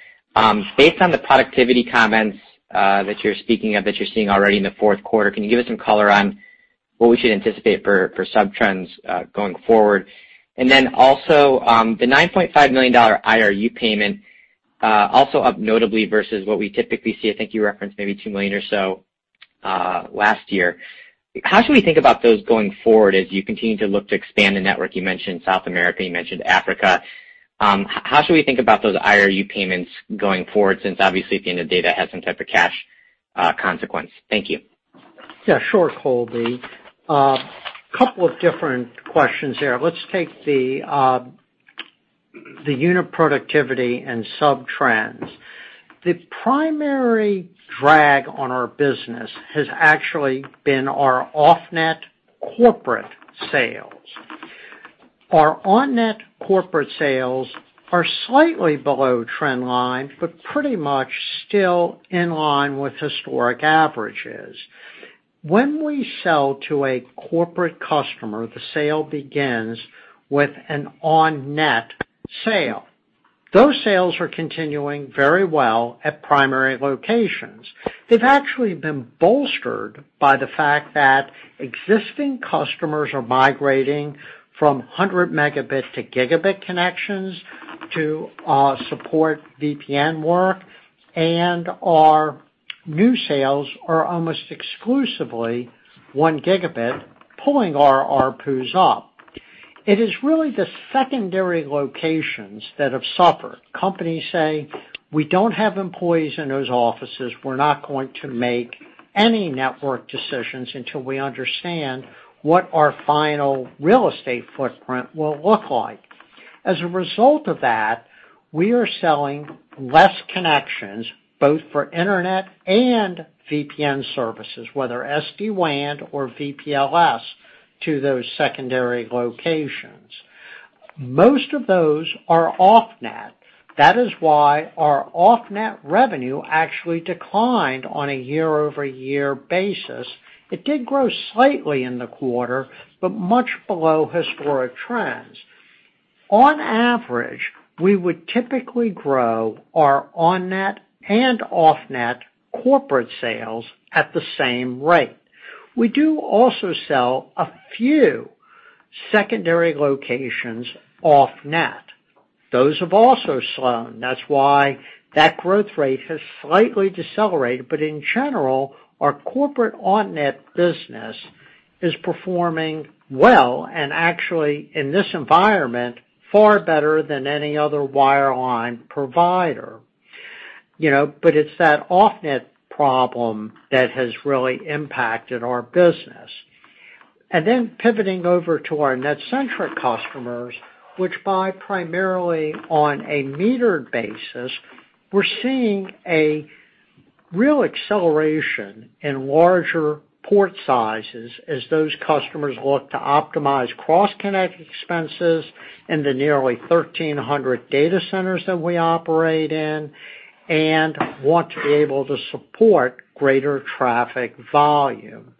Based on the productivity comments that you're speaking of, that you're seeing already in the fourth quarter, can you give us some color on what we should anticipate for sub-trends going forward? Also, the $9.5 million IRU payment also up notably versus what we typically see. I think you referenced maybe $2 million or so last year. How should we think about those going forward as you continue to look to expand the network? You mentioned South America, you mentioned Africa. How should we think about those IRU payments going forward, since obviously at the end of the day that has some type of cash consequence? Thank you. Yeah, sure, Colby. Couple of different questions there. Let's take the unit productivity and sub-trends. The primary drag on our business has actually been our OffNet corporate sales. Our OnNet corporate sales are slightly below trend line, but pretty much still in line with historic averages. When we sell to a Corporate Customer, the sale begins with an OnNet sale. Those sales are continuing very well at primary locations. They've actually been bolstered by the fact that existing customers are migrating from 100 Mb to gigabit connections to support VPN work, and our new sales are almost exclusively 1 Gb, pulling our ARPUs up. It is really the secondary locations that have suffered. Companies say, "We don't have employees in those offices. We're not going to make any network decisions until we understand what our final real estate footprint will look like." As a result of that, we are selling less connections both for Internet and VPN services, whether SD-WAN or VPLS, to those secondary locations. Most of those are OffNet. That is why our OffNet revenue actually declined on a year-over-year basis. It did grow slightly in the quarter, but much below historic trends. On average, we would typically grow our OnNet and OffNet corporate sales at the same rate. We do also sell a few secondary locations OffNet. Those have also slowed, and that's why that growth rate has slightly decelerated. In general, our Corporate OnNet business is performing well, and actually, in this environment, far better than any other wireline provider. It's that OffNet problem that has really impacted our business. Pivoting over to our Netcentric Customers, which buy primarily on a metered basis. We're seeing a real acceleration in larger port sizes as those customers look to optimize cross-connect expenses in the nearly 1,300 data centers that we operate in and want to be able to support greater traffic volume.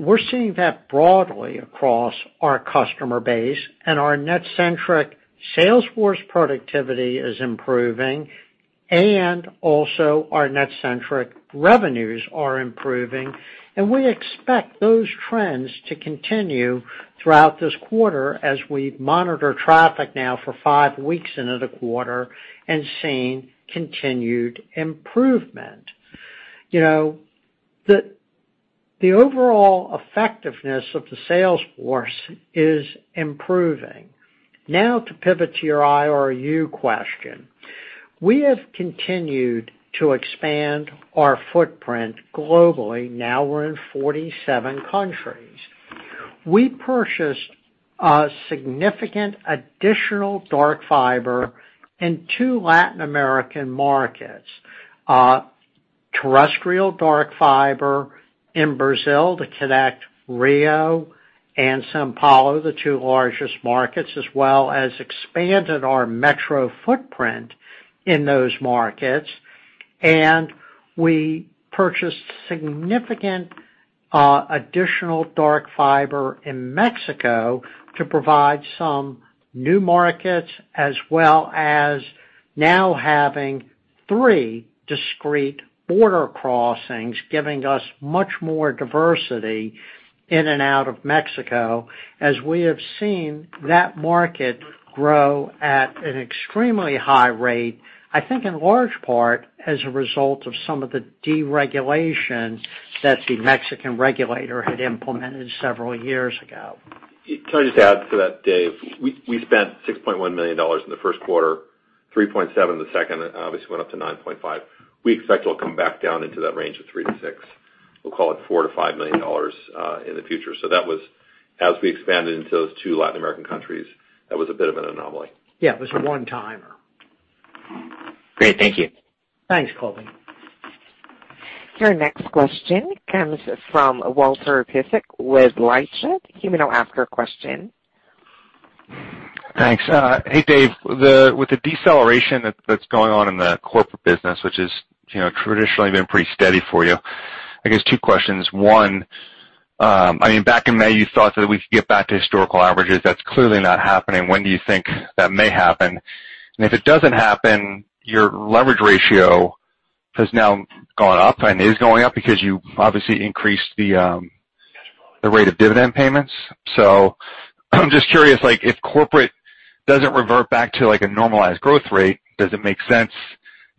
We're seeing that broadly across our customer base, and our Netcentric sales force productivity is improving, and also our Netcentric revenues are improving. We expect those trends to continue throughout this quarter as we monitor traffic now for five weeks into the quarter and seeing continued improvement. The overall effectiveness of the sales force is improving. Now to pivot to your IRU question. We have continued to expand our footprint globally. We're in 47 countries. We purchased a significant additional dark fiber in two Latin American markets. Terrestrial dark fiber in Brazil to connect Rio and São Paulo, the two largest markets, as well as expanded our metro footprint in those markets. We purchased significant additional dark fiber in Mexico to provide some new markets, as well as now having three discrete border crossings, giving us much more diversity in and out of Mexico as we have seen that market grow at an extremely high rate, I think, in large part, as a result of some of the deregulation that the Mexican regulator had implemented several years ago. Can I just add to that, Dave? We spent $6.1 million in the first quarter, $3.7 million in the second, obviously went up to $9.5 million. We expect it'll come back down into that range of $3 million-$6 million. We'll call it $4 million-$5 million in the future. That was as we expanded into those two Latin American countries, that was a bit of an anomaly. Yeah, it was a one-timer. Great. Thank you. Thanks, Colby. Your next question comes from Walter Piecyk with LightShed. You may now ask your question. Thanks. Hey, Dave. With the deceleration that's going on in the Corporate business, which has traditionally been pretty steady for you, I guess two questions. One, back in May, you thought that we could get back to historical averages. That's clearly not happening. When do you think that may happen? If it doesn't happen, your leverage ratio has now gone up and is going up because you obviously increased the rate of dividend payments. I'm just curious, if Corporate doesn't revert back to a normalized growth rate, does it make sense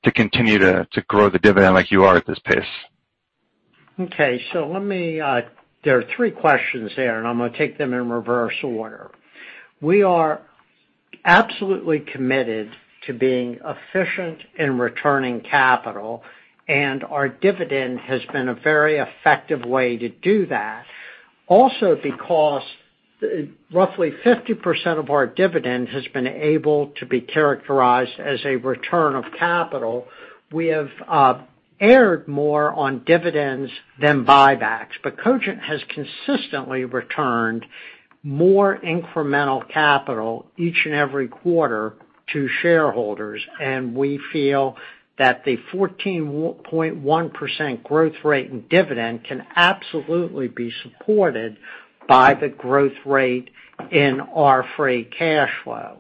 to continue to grow the dividend like you are at this pace? Okay. There are three questions there, and I'm going to take them in reverse order. We are absolutely committed to being efficient in returning capital, and our dividend has been a very effective way to do that. Also because roughly 50% of our dividend has been able to be characterized as a return of capital, we have erred more on dividends than buybacks. Cogent has consistently returned more incremental capital each and every quarter to shareholders, and we feel that the 14.1% growth rate in dividend can absolutely be supported by the growth rate in our free cash flow.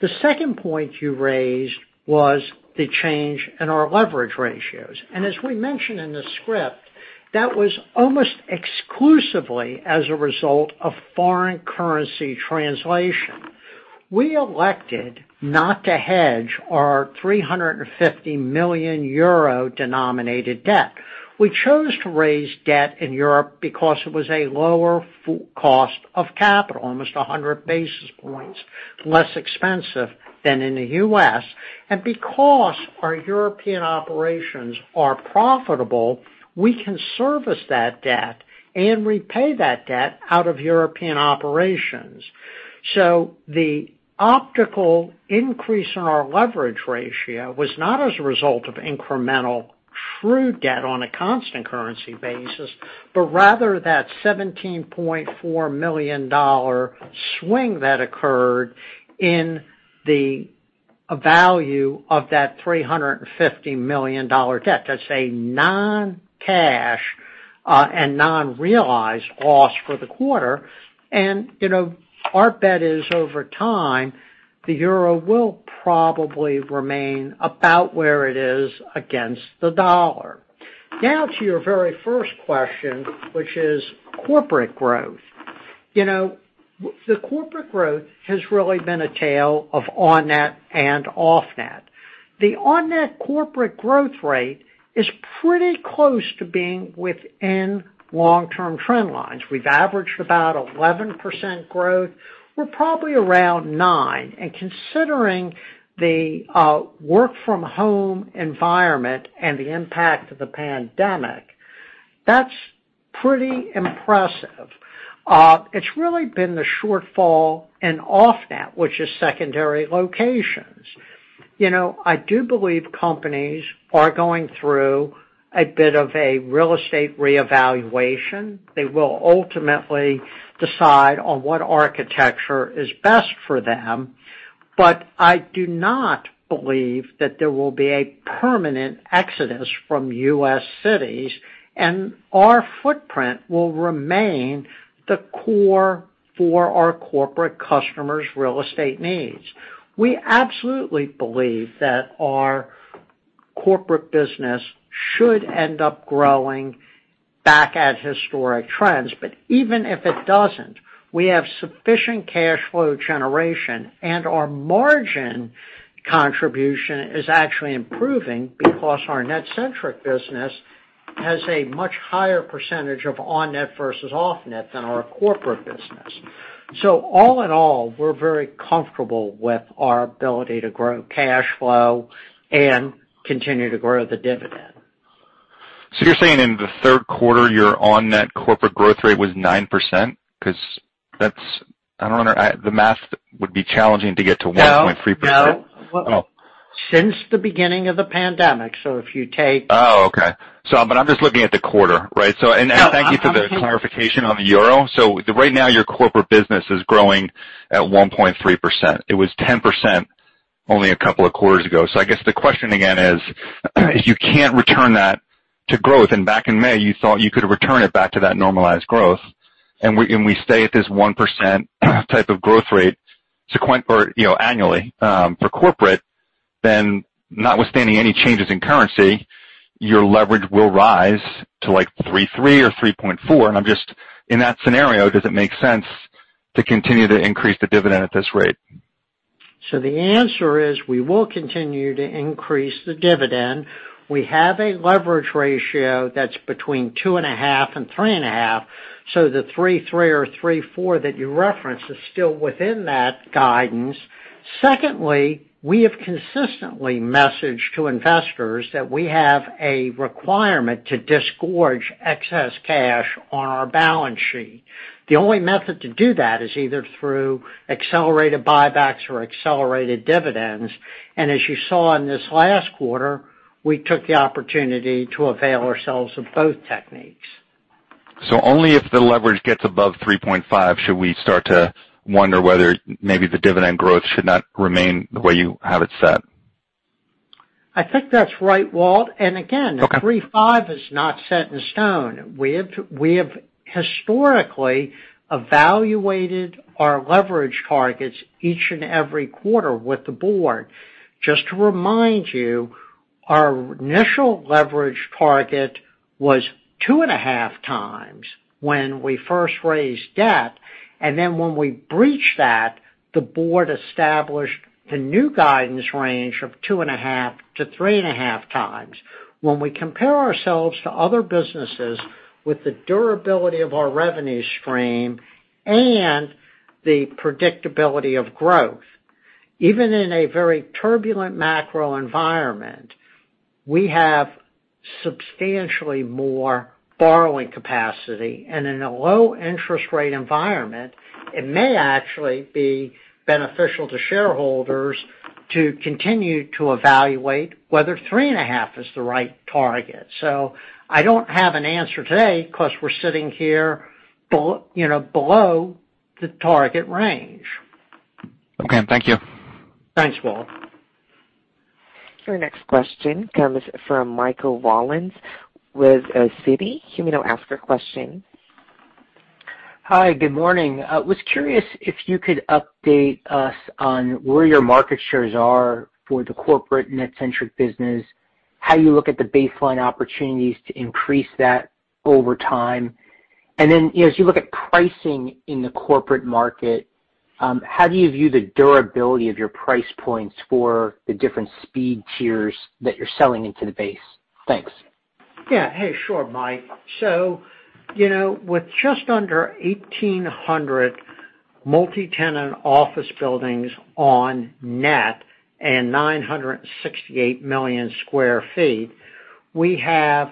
The second point you raised was the change in our leverage ratios. As we mentioned in the script, that was almost exclusively as a result of foreign currency translation. We elected not to hedge our 350 million euro denominated debt. We chose to raise debt in Europe because it was a lower cost of capital, almost 100 basis points less expensive than in the U.S. Because our European operations are profitable, we can service that debt and repay that debt out of European operations. The optical increase in our leverage ratio was not as a result of incremental true debt on a constant currency basis, but rather that $17.4 million swing that occurred in the value of that $350 million debt. That's a non-cash and non-realized loss for the quarter. Our bet is, over time, the euro will probably remain about where it is against the dollar. To your very first question, which is corporate growth. The corporate growth has really been a tale of OnNet and OffNet. The OnNet corporate growth rate is pretty close to being within long-term trend lines. We've averaged about 11% growth, we're probably around 9%. Considering the work from home environment and the impact of the pandemic, that's pretty impressive. It's really been the shortfall in OffNet, which is secondary locations. I do believe companies are going through a bit of a real estate re-evaluation. They will ultimately decide on what architecture is best for them. I do not believe that there will be a permanent exodus from U.S. cities, and our footprint will remain the core for our Corporate Customers' real estate needs. We absolutely believe that our Corporate business should end up growing back at historic trends. Even if it doesn't, we have sufficient cash flow generation, and our margin contribution is actually improving because our Netcentric business has a much higher percentage of OnNet versus OffNet than our Corporate business. All in all, we're very comfortable with our ability to grow cash flow and continue to grow the dividend. You're saying in the third quarter, your OnNet corporate growth rate was 9%? Because the math would be challenging to get to 1.3%. No. Oh. Since the beginning of the pandemic, so if you take- Okay. I'm just looking at the quarter, right? Thank you for the clarification on the euro. Right now, your Corporate business is growing at 1.3%. It was 10% only a couple of quarters ago. I guess the question, again, is, if you can't return that to growth, and back in May, you thought you could return it back to that normalized growth, and we stay at this 1% type of growth rate annually for Corporate, then notwithstanding any changes in currency, your leverage will rise to 3.3 or 3.4. In that scenario, does it make sense to continue to increase the dividend at this rate? The answer is, we will continue to increase the dividend. We have a leverage ratio that's between 2.5 and 3.5, so the 3.3 or 3.4 that you referenced is still within that guidance. Secondly, we have consistently messaged to investors that we have a requirement to disgorge excess cash on our balance sheet. The only method to do that is either through accelerated buybacks or accelerated dividends. As you saw in this last quarter, we took the opportunity to avail ourselves of both techniques. Only if the leverage gets above 3.5 should we start to wonder whether maybe the dividend growth should not remain the way you have it set? I think that's right, Walt. Okay. Again, 3.5 is not set in stone. We have historically evaluated our leverage targets each and every quarter with the Board. Just to remind you, our initial leverage target was 2.5x `when we first raised debt. When we breached that, the board established the new guidance range of 2.5x-3.5x. When we compare ourselves to other businesses with the durability of our revenue stream and the predictability of growth, even in a very turbulent macro environment, we have substantially more borrowing capacity. In a low interest rate environment, it may actually be beneficial to shareholders to continue to evaluate whether 3.5 is the right target. I don't have an answer today because we're sitting here below the target range. Okay, thank you. Thanks, Walt. Your next question comes from Michael Rollins with Citi. You may now ask your question. Hi, good morning. Was curious if you could update us on where your market shares are for the Corporate and Netcentric business, how you look at the baseline opportunities to increase that over time. As you look at pricing in the corporate market, how do you view the durability of your price points for the different speed tiers that you're selling into the base? Thanks. Yeah. Hey. Sure, Mike. With just under 1,800 multi-tenant office buildings OnNet and 968 million sq ft, we have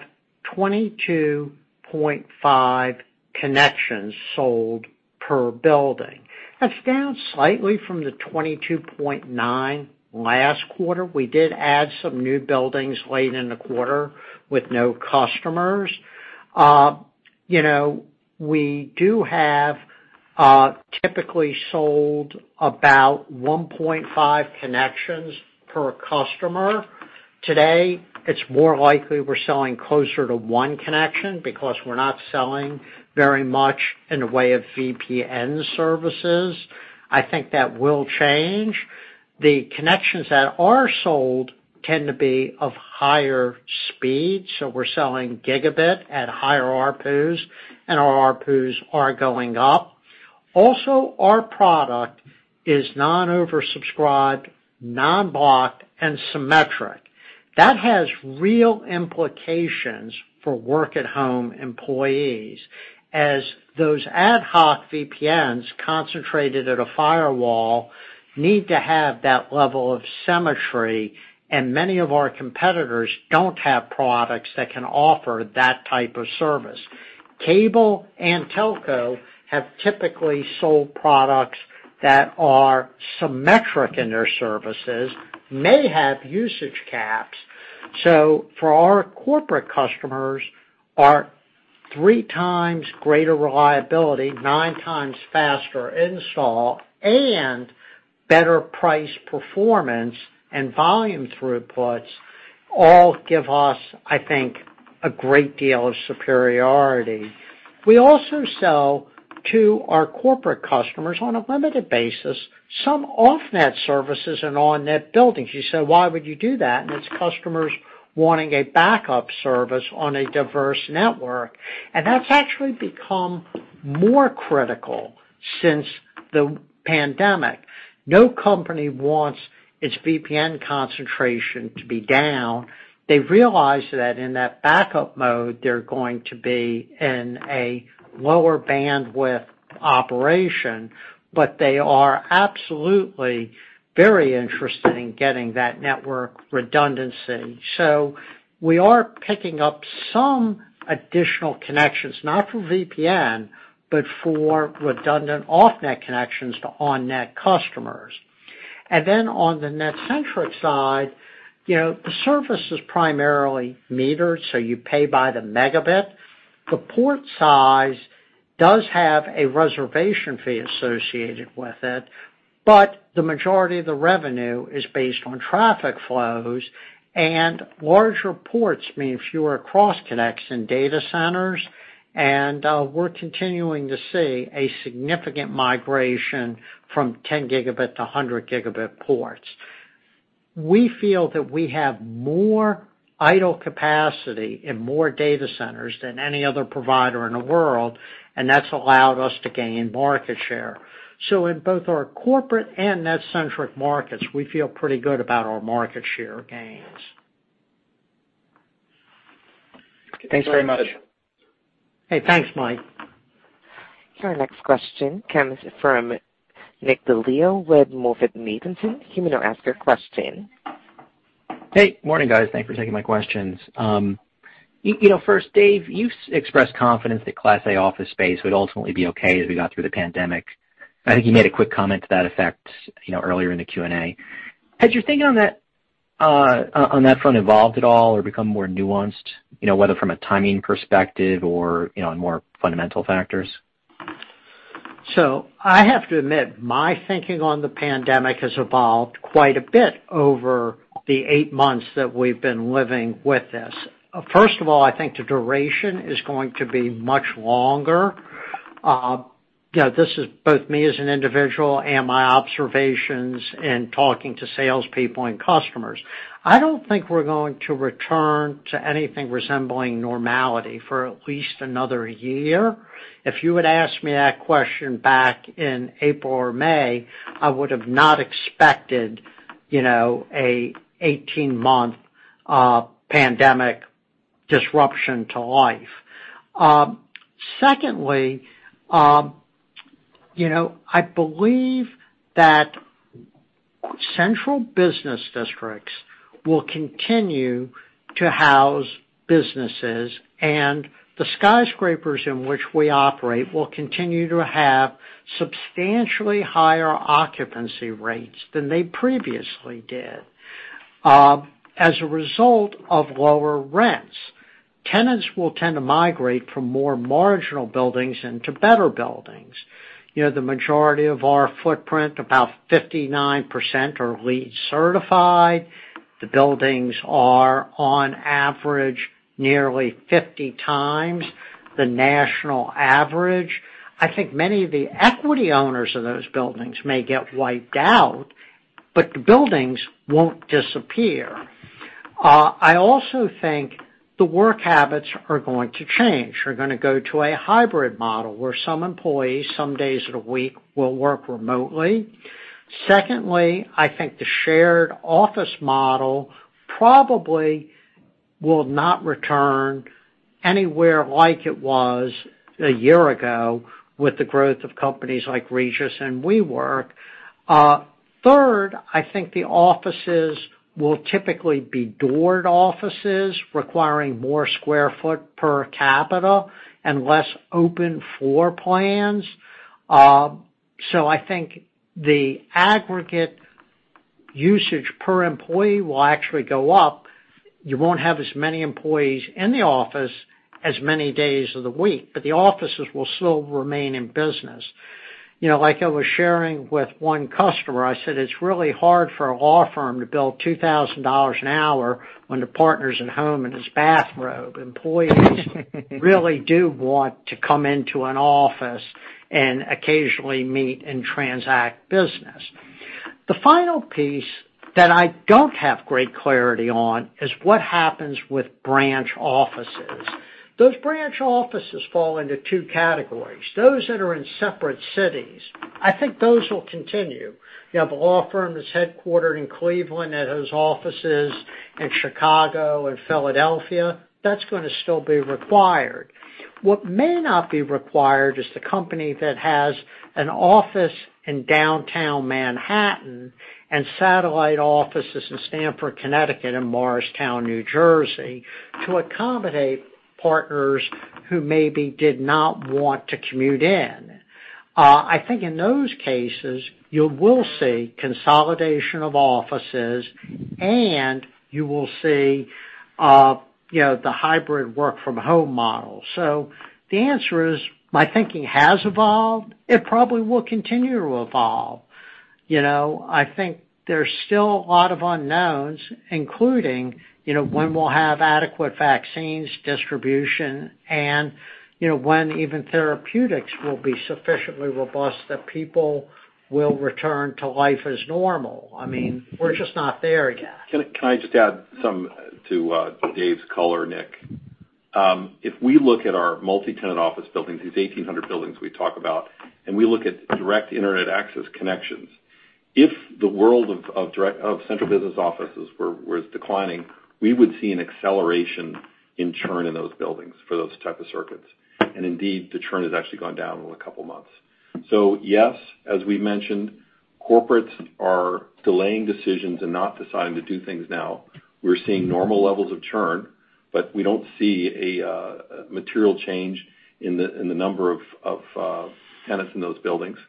22.5 connections sold per building. That's down slightly from the 22.9 last quarter. We did add some new buildings late in the quarter with no customers. We do have typically sold about 1.5 connections per customer. Today, it's more likely we're selling closer to one connection because we're not selling very much in the way of VPN services. I think that will change. The connections that are sold tend to be of higher speed, so we're selling gigabit at higher ARPUs, and our ARPUs are going up. Also, our product is non-oversubscribed, non-blocked, and symmetric. That has real implications for work-at-home employees, as those ad hoc VPNs concentrated at a firewall need to have that level of symmetry, and many of our competitors don't have products that can offer that type of service. Cable and telco have typically sold products that are symmetric in their services, may have usage caps. For our Corporate Customers, our three times greater reliability, 9 times faster install, and better price performance and volume throughputs all give us, I think, a great deal of superiority. We also sell to our Corporate Customers on a limited basis, some OffNet services in OnNet buildings. You say, why would you do that? It's customers wanting a backup service on a diverse network and that's actually become more critical since the pandemic. No company wants its VPN concentration to be down. They've realized that in that backup mode, they're going to be in a lower bandwidth operation, but they are absolutely very interested in getting that network redundancy. We are picking up some additional connections, not for VPN, but for redundant OffNet connections to OnNet customers. On the Netcentric side, the service is primarily metered, so you pay by the megabit. The port size does have a reservation fee associated with it, but the majority of the revenue is based on traffic flows, and larger ports mean fewer cross-connection data centers. We're continuing to see a significant migration from 10 Gb to 100 Gb ports. We feel that we have more idle capacity in more data centers than any other provider in the world, and that's allowed us to gain market share in both our Corporate and Netcentric markets, we feel pretty good about our market share gains. Thanks very much. Hey, thanks, Mike. Our next question comes from Nick Del Deo with MoffettNathanson. You may now ask your question. Hey, morning, guys. Thank you for taking my questions. First, Dave, you expressed confidence that Class A office space would ultimately be okay as we got through the pandemic. I think you made a quick comment to that effect earlier in the Q&A. Has your thinking on that front evolved at all or become more nuanced, whether from a timing perspective or in more fundamental factors? I have to admit, my thinking on the pandemic has evolved quite a bit over the eight months that we've been living with this. First of all, I think the duration is going to be much longer. This is both me as an individual and my observations in talking to salespeople and customers. I don't think we're going to return to anything resembling normality for at least another year. If you had asked me that question back in April or May, I would have not expected an 18-month pandemic disruption to life. Secondly, I believe that central business districts will continue to house businesses, and the skyscrapers in which we operate will continue to have substantially higher occupancy rates than they previously did. As a result of lower rents, tenants will tend to migrate from more marginal buildings into better buildings. The majority of our footprint, about 59%, are LEED-certified. The buildings are, on average, nearly 50 times the national average. I think many of the equity owners of those buildings may get wiped out, but the buildings won't disappear. I also think the work habits are going to change. We're going to go to a hybrid model where some employees, some days of the week, will work remotely. Secondly, I think the shared office model probably will not return anywhere like it was one year ago with the growth of companies like Regus and WeWork. Third, I think the offices will typically be doored offices requiring more square foot per capita and less open floor plans. I think the aggregate usage per employee will actually go up. You won't have as many employees in the office as many days of the week. The offices will still remain in business. Like I was sharing with one customer, I said, "It's really hard for a law firm to bill $2,000 an hour when the partner's at home in his bathrobe." Employees really do want to come into an office and occasionally meet and transact business. The final piece that I don't have great clarity on is what happens with branch offices. Those branch offices fall into two categories. Those that are in separate cities, I think those will continue. You have a law firm that's headquartered in Cleveland that has offices in Chicago and Philadelphia. That's going to still be required. What may not be required is the company that has an office in downtown Manhattan and satellite offices in Stamford, Connecticut, and Morristown, New Jersey, to accommodate partners who maybe did not want to commute in. I think in those cases, you will see consolidation of offices, and you will see the hybrid work from home model. The answer is, my thinking has evolved. It probably will continue to evolve. I think there's still a lot of unknowns, including, when we'll have adequate vaccines, distribution, and when even therapeutics will be sufficiently robust that people will return to life as normal. We're just not there yet. Can I just add some to Dave's color, Nick? If we look at our multi-tenant office buildings, these 1,800 buildings we talk about, and we look at direct Internet access connections, if the world of central business offices was declining, we would see an acceleration in churn in those buildings for those type of circuits. Indeed, the churn has actually gone down over a couple of months. Yes, as we mentioned, corporates are delaying decisions and not deciding to do things now. We're seeing normal levels of churn, but we don't see a material change in the number of tenants in those buildings.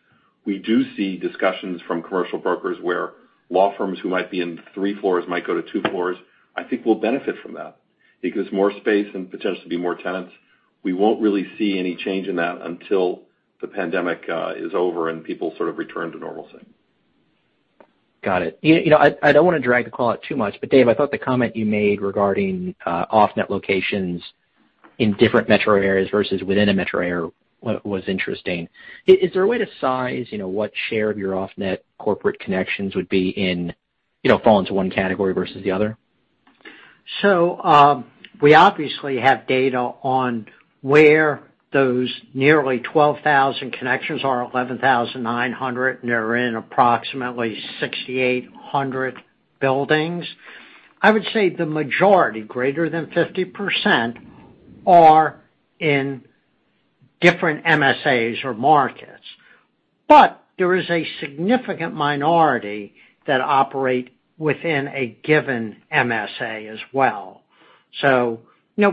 We do see discussions from commercial brokers where law firms who might be in three floors might go to two floors. I think we'll benefit from that because more space and potentially more tenants. We won't really see any change in that until the pandemic is over and people sort of return to normalcy. Got it. I don't want to drag the call out too much, but Dave, I thought the comment you made regarding OffNet locations in different metro areas versus within a metro area was interesting. Is there a way to size what share of your OffNet corporate connections would fall into one category versus the other? We obviously have data on where those nearly 12,000 connections are, 11,900, and they're in approximately 6,800 buildings. I would say the majority, greater than 50%, are in different MSAs or markets. There is a significant minority that operate within a given MSA as well.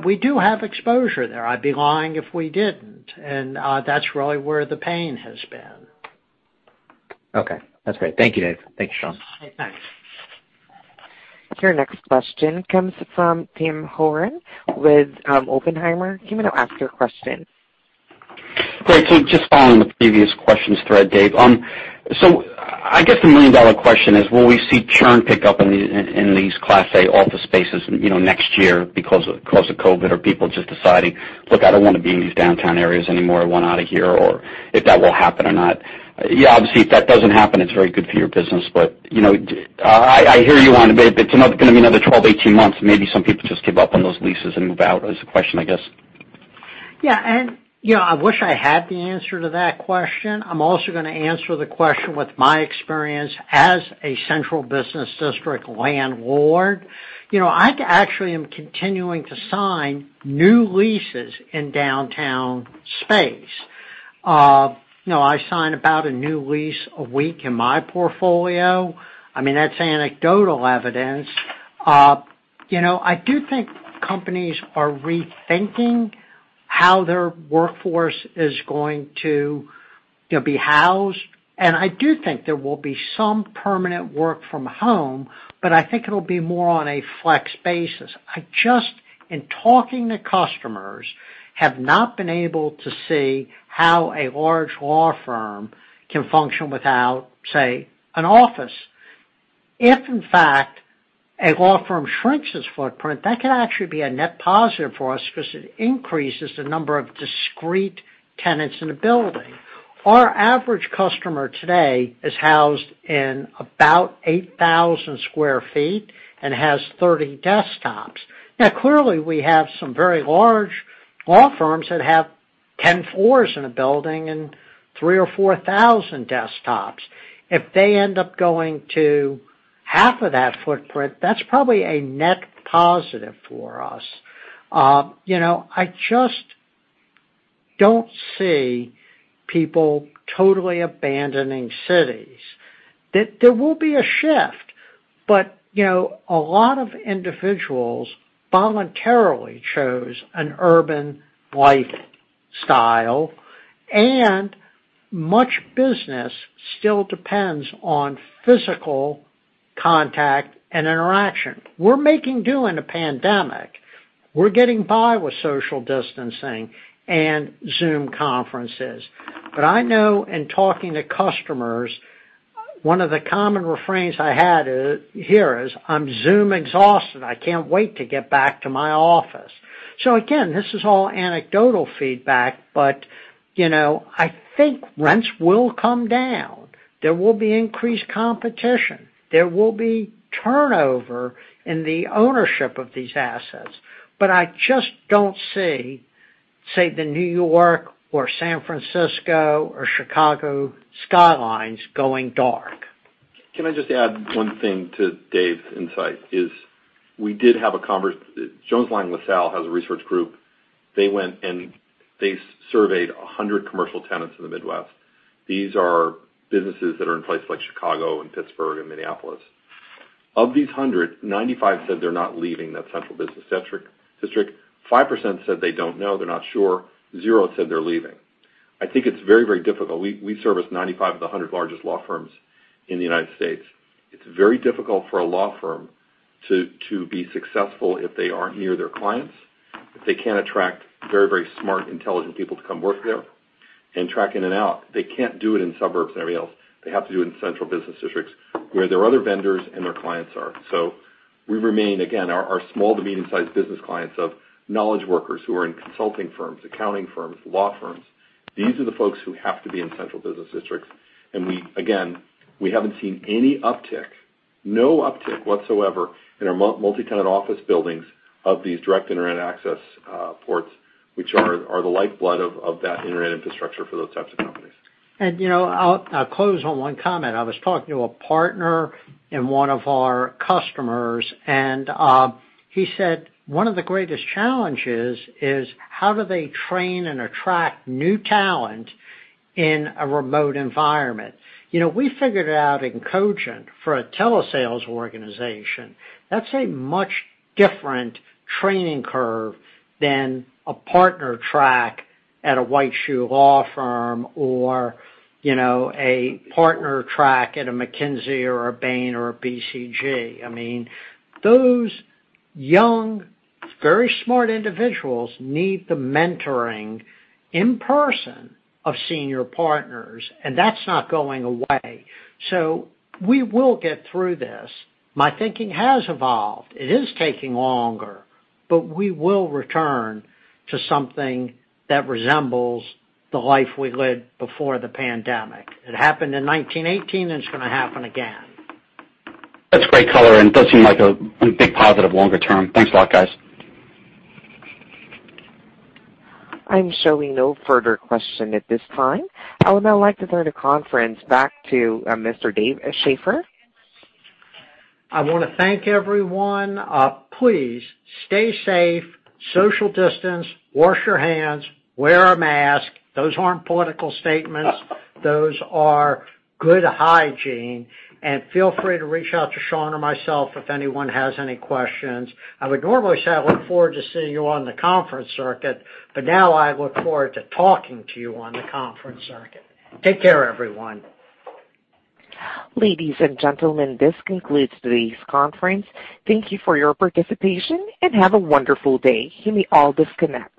We do have exposure there. I'd be lying if we didn't and that's really where the pain has been. Okay. That's great. Thank you, Dave. Thanks, Sean. Thanks. Your next question comes from Tim Horan with Oppenheimer. You may now ask your question. Great. Just following the previous question's thread, Dave. I guess the million-dollar question is, will we see churn pick up in these class A office spaces next year because of COVID, or people just deciding, "Look, I don't want to be in these downtown areas anymore. I want out of here." If that will happen or not? Obviously, if that doesn't happen, it's very good for your business. I hear you on, if it's going to be another 12, 18 months, maybe some people just give up on those leases and move out is the question, I guess. Yeah. I wish I had the answer to that question. I'm also going to answer the question with my experience as a central business district landlord. I actually am continuing to sign new leases in downtown space. I sign about a new lease a week in my portfolio. That's anecdotal evidence. I do think companies are rethinking how their workforce is going to be housed, and I do think there will be some permanent work from home, but I think it'll be more on a flex basis. I just, in talking to customers, have not been able to see how a large law firm can function without, say, an office. If, in fact, a law firm shrinks its footprint, that could actually be a net positive for us because it increases the number of discrete tenants in a building. Our average customer today is housed in about 8,000 sq ft and has 30 desktops. Clearly, we have some very large law firms that have 10 floors in a building and 3,000 or 4,000 desktops. If they end up going to half of that footprint, that's probably a net positive for us. I just don't see people totally abandoning cities. There will be a shift, but a lot of individuals voluntarily chose an urban lifestyle, and much business still depends on physical contact and interaction. We're making do in a pandemic. We're getting by with social distancing and Zoom conferences. I know in talking to customers, one of the common refrains I hear is, "I'm Zoom exhausted. I can't wait to get back to my office." Again, this is all anecdotal feedback, but I think rents will come down. There will be increased competition. There will be turnover in the ownership of these assets. I just don't see, say, the New York or San Francisco or Chicago skylines going dark. Can I just add one thing to Dave's insight, is Jones Lang LaSalle has a research group. They went and they surveyed 100 commercial tenants in the Midwest. These are businesses that are in places like Chicago and Pittsburgh and Minneapolis. Of these 100, 95 said they're not leaving that central business district. 5% said they don't know, they're not sure. Zero said they're leaving. I think it's very, very difficult. We service 95 of the 100 largest law firms in the United States. It's very difficult for a law firm to be successful if they aren't near their clients, if they can't attract very, very smart, intelligent people to come work there, and track in and out. They can't do it in suburbs and everything else. They have to do it in central business districts where their other vendors and their clients are We remain, again, our small to medium-sized business clients of knowledge workers who are in consulting firms, accounting firms, law firms. These are the folks who have to be in central business districts. Again, we haven't seen any uptick, no uptick whatsoever in our multi-tenant office buildings of these direct Internet access ports, which are the lifeblood of that Internet infrastructure for those types of companies. I'll close on one comment. I was talking to a partner in one of our customers, and he said one of the greatest challenges is how do they train and attract new talent in a remote environment. We figured it out in Cogent for a telesales organization. That's a much different training curve than a partner track at a white shoe law firm or a partner track at a McKinsey or a Bain or a BCG. Those young, very smart individuals need the mentoring in-person of senior partners, and that's not going away. We will get through this. My thinking has evolved. It is taking longer, but we will return to something that resembles the life we led before the pandemic. It happened in 1918, and it's going to happen again. That's great color and does seem like a big positive longer term. Thanks a lot, guys. I'm showing no further question at this time. I would now like to turn the conference back to Mr. Dave Schaeffer. I want to thank everyone. Please stay safe, social distance, wash your hands, wear a mask. Those aren't political statements. Those are good hygiene. Feel free to reach out to Sean or myself if anyone has any questions. I would normally say I look forward to seeing you on the conference circuit, but now I look forward to talking to you on the conference circuit. Take care, everyone. Ladies and gentlemen, this concludes today's conference. Thank you for your participation, and have a wonderful day. You may all disconnect.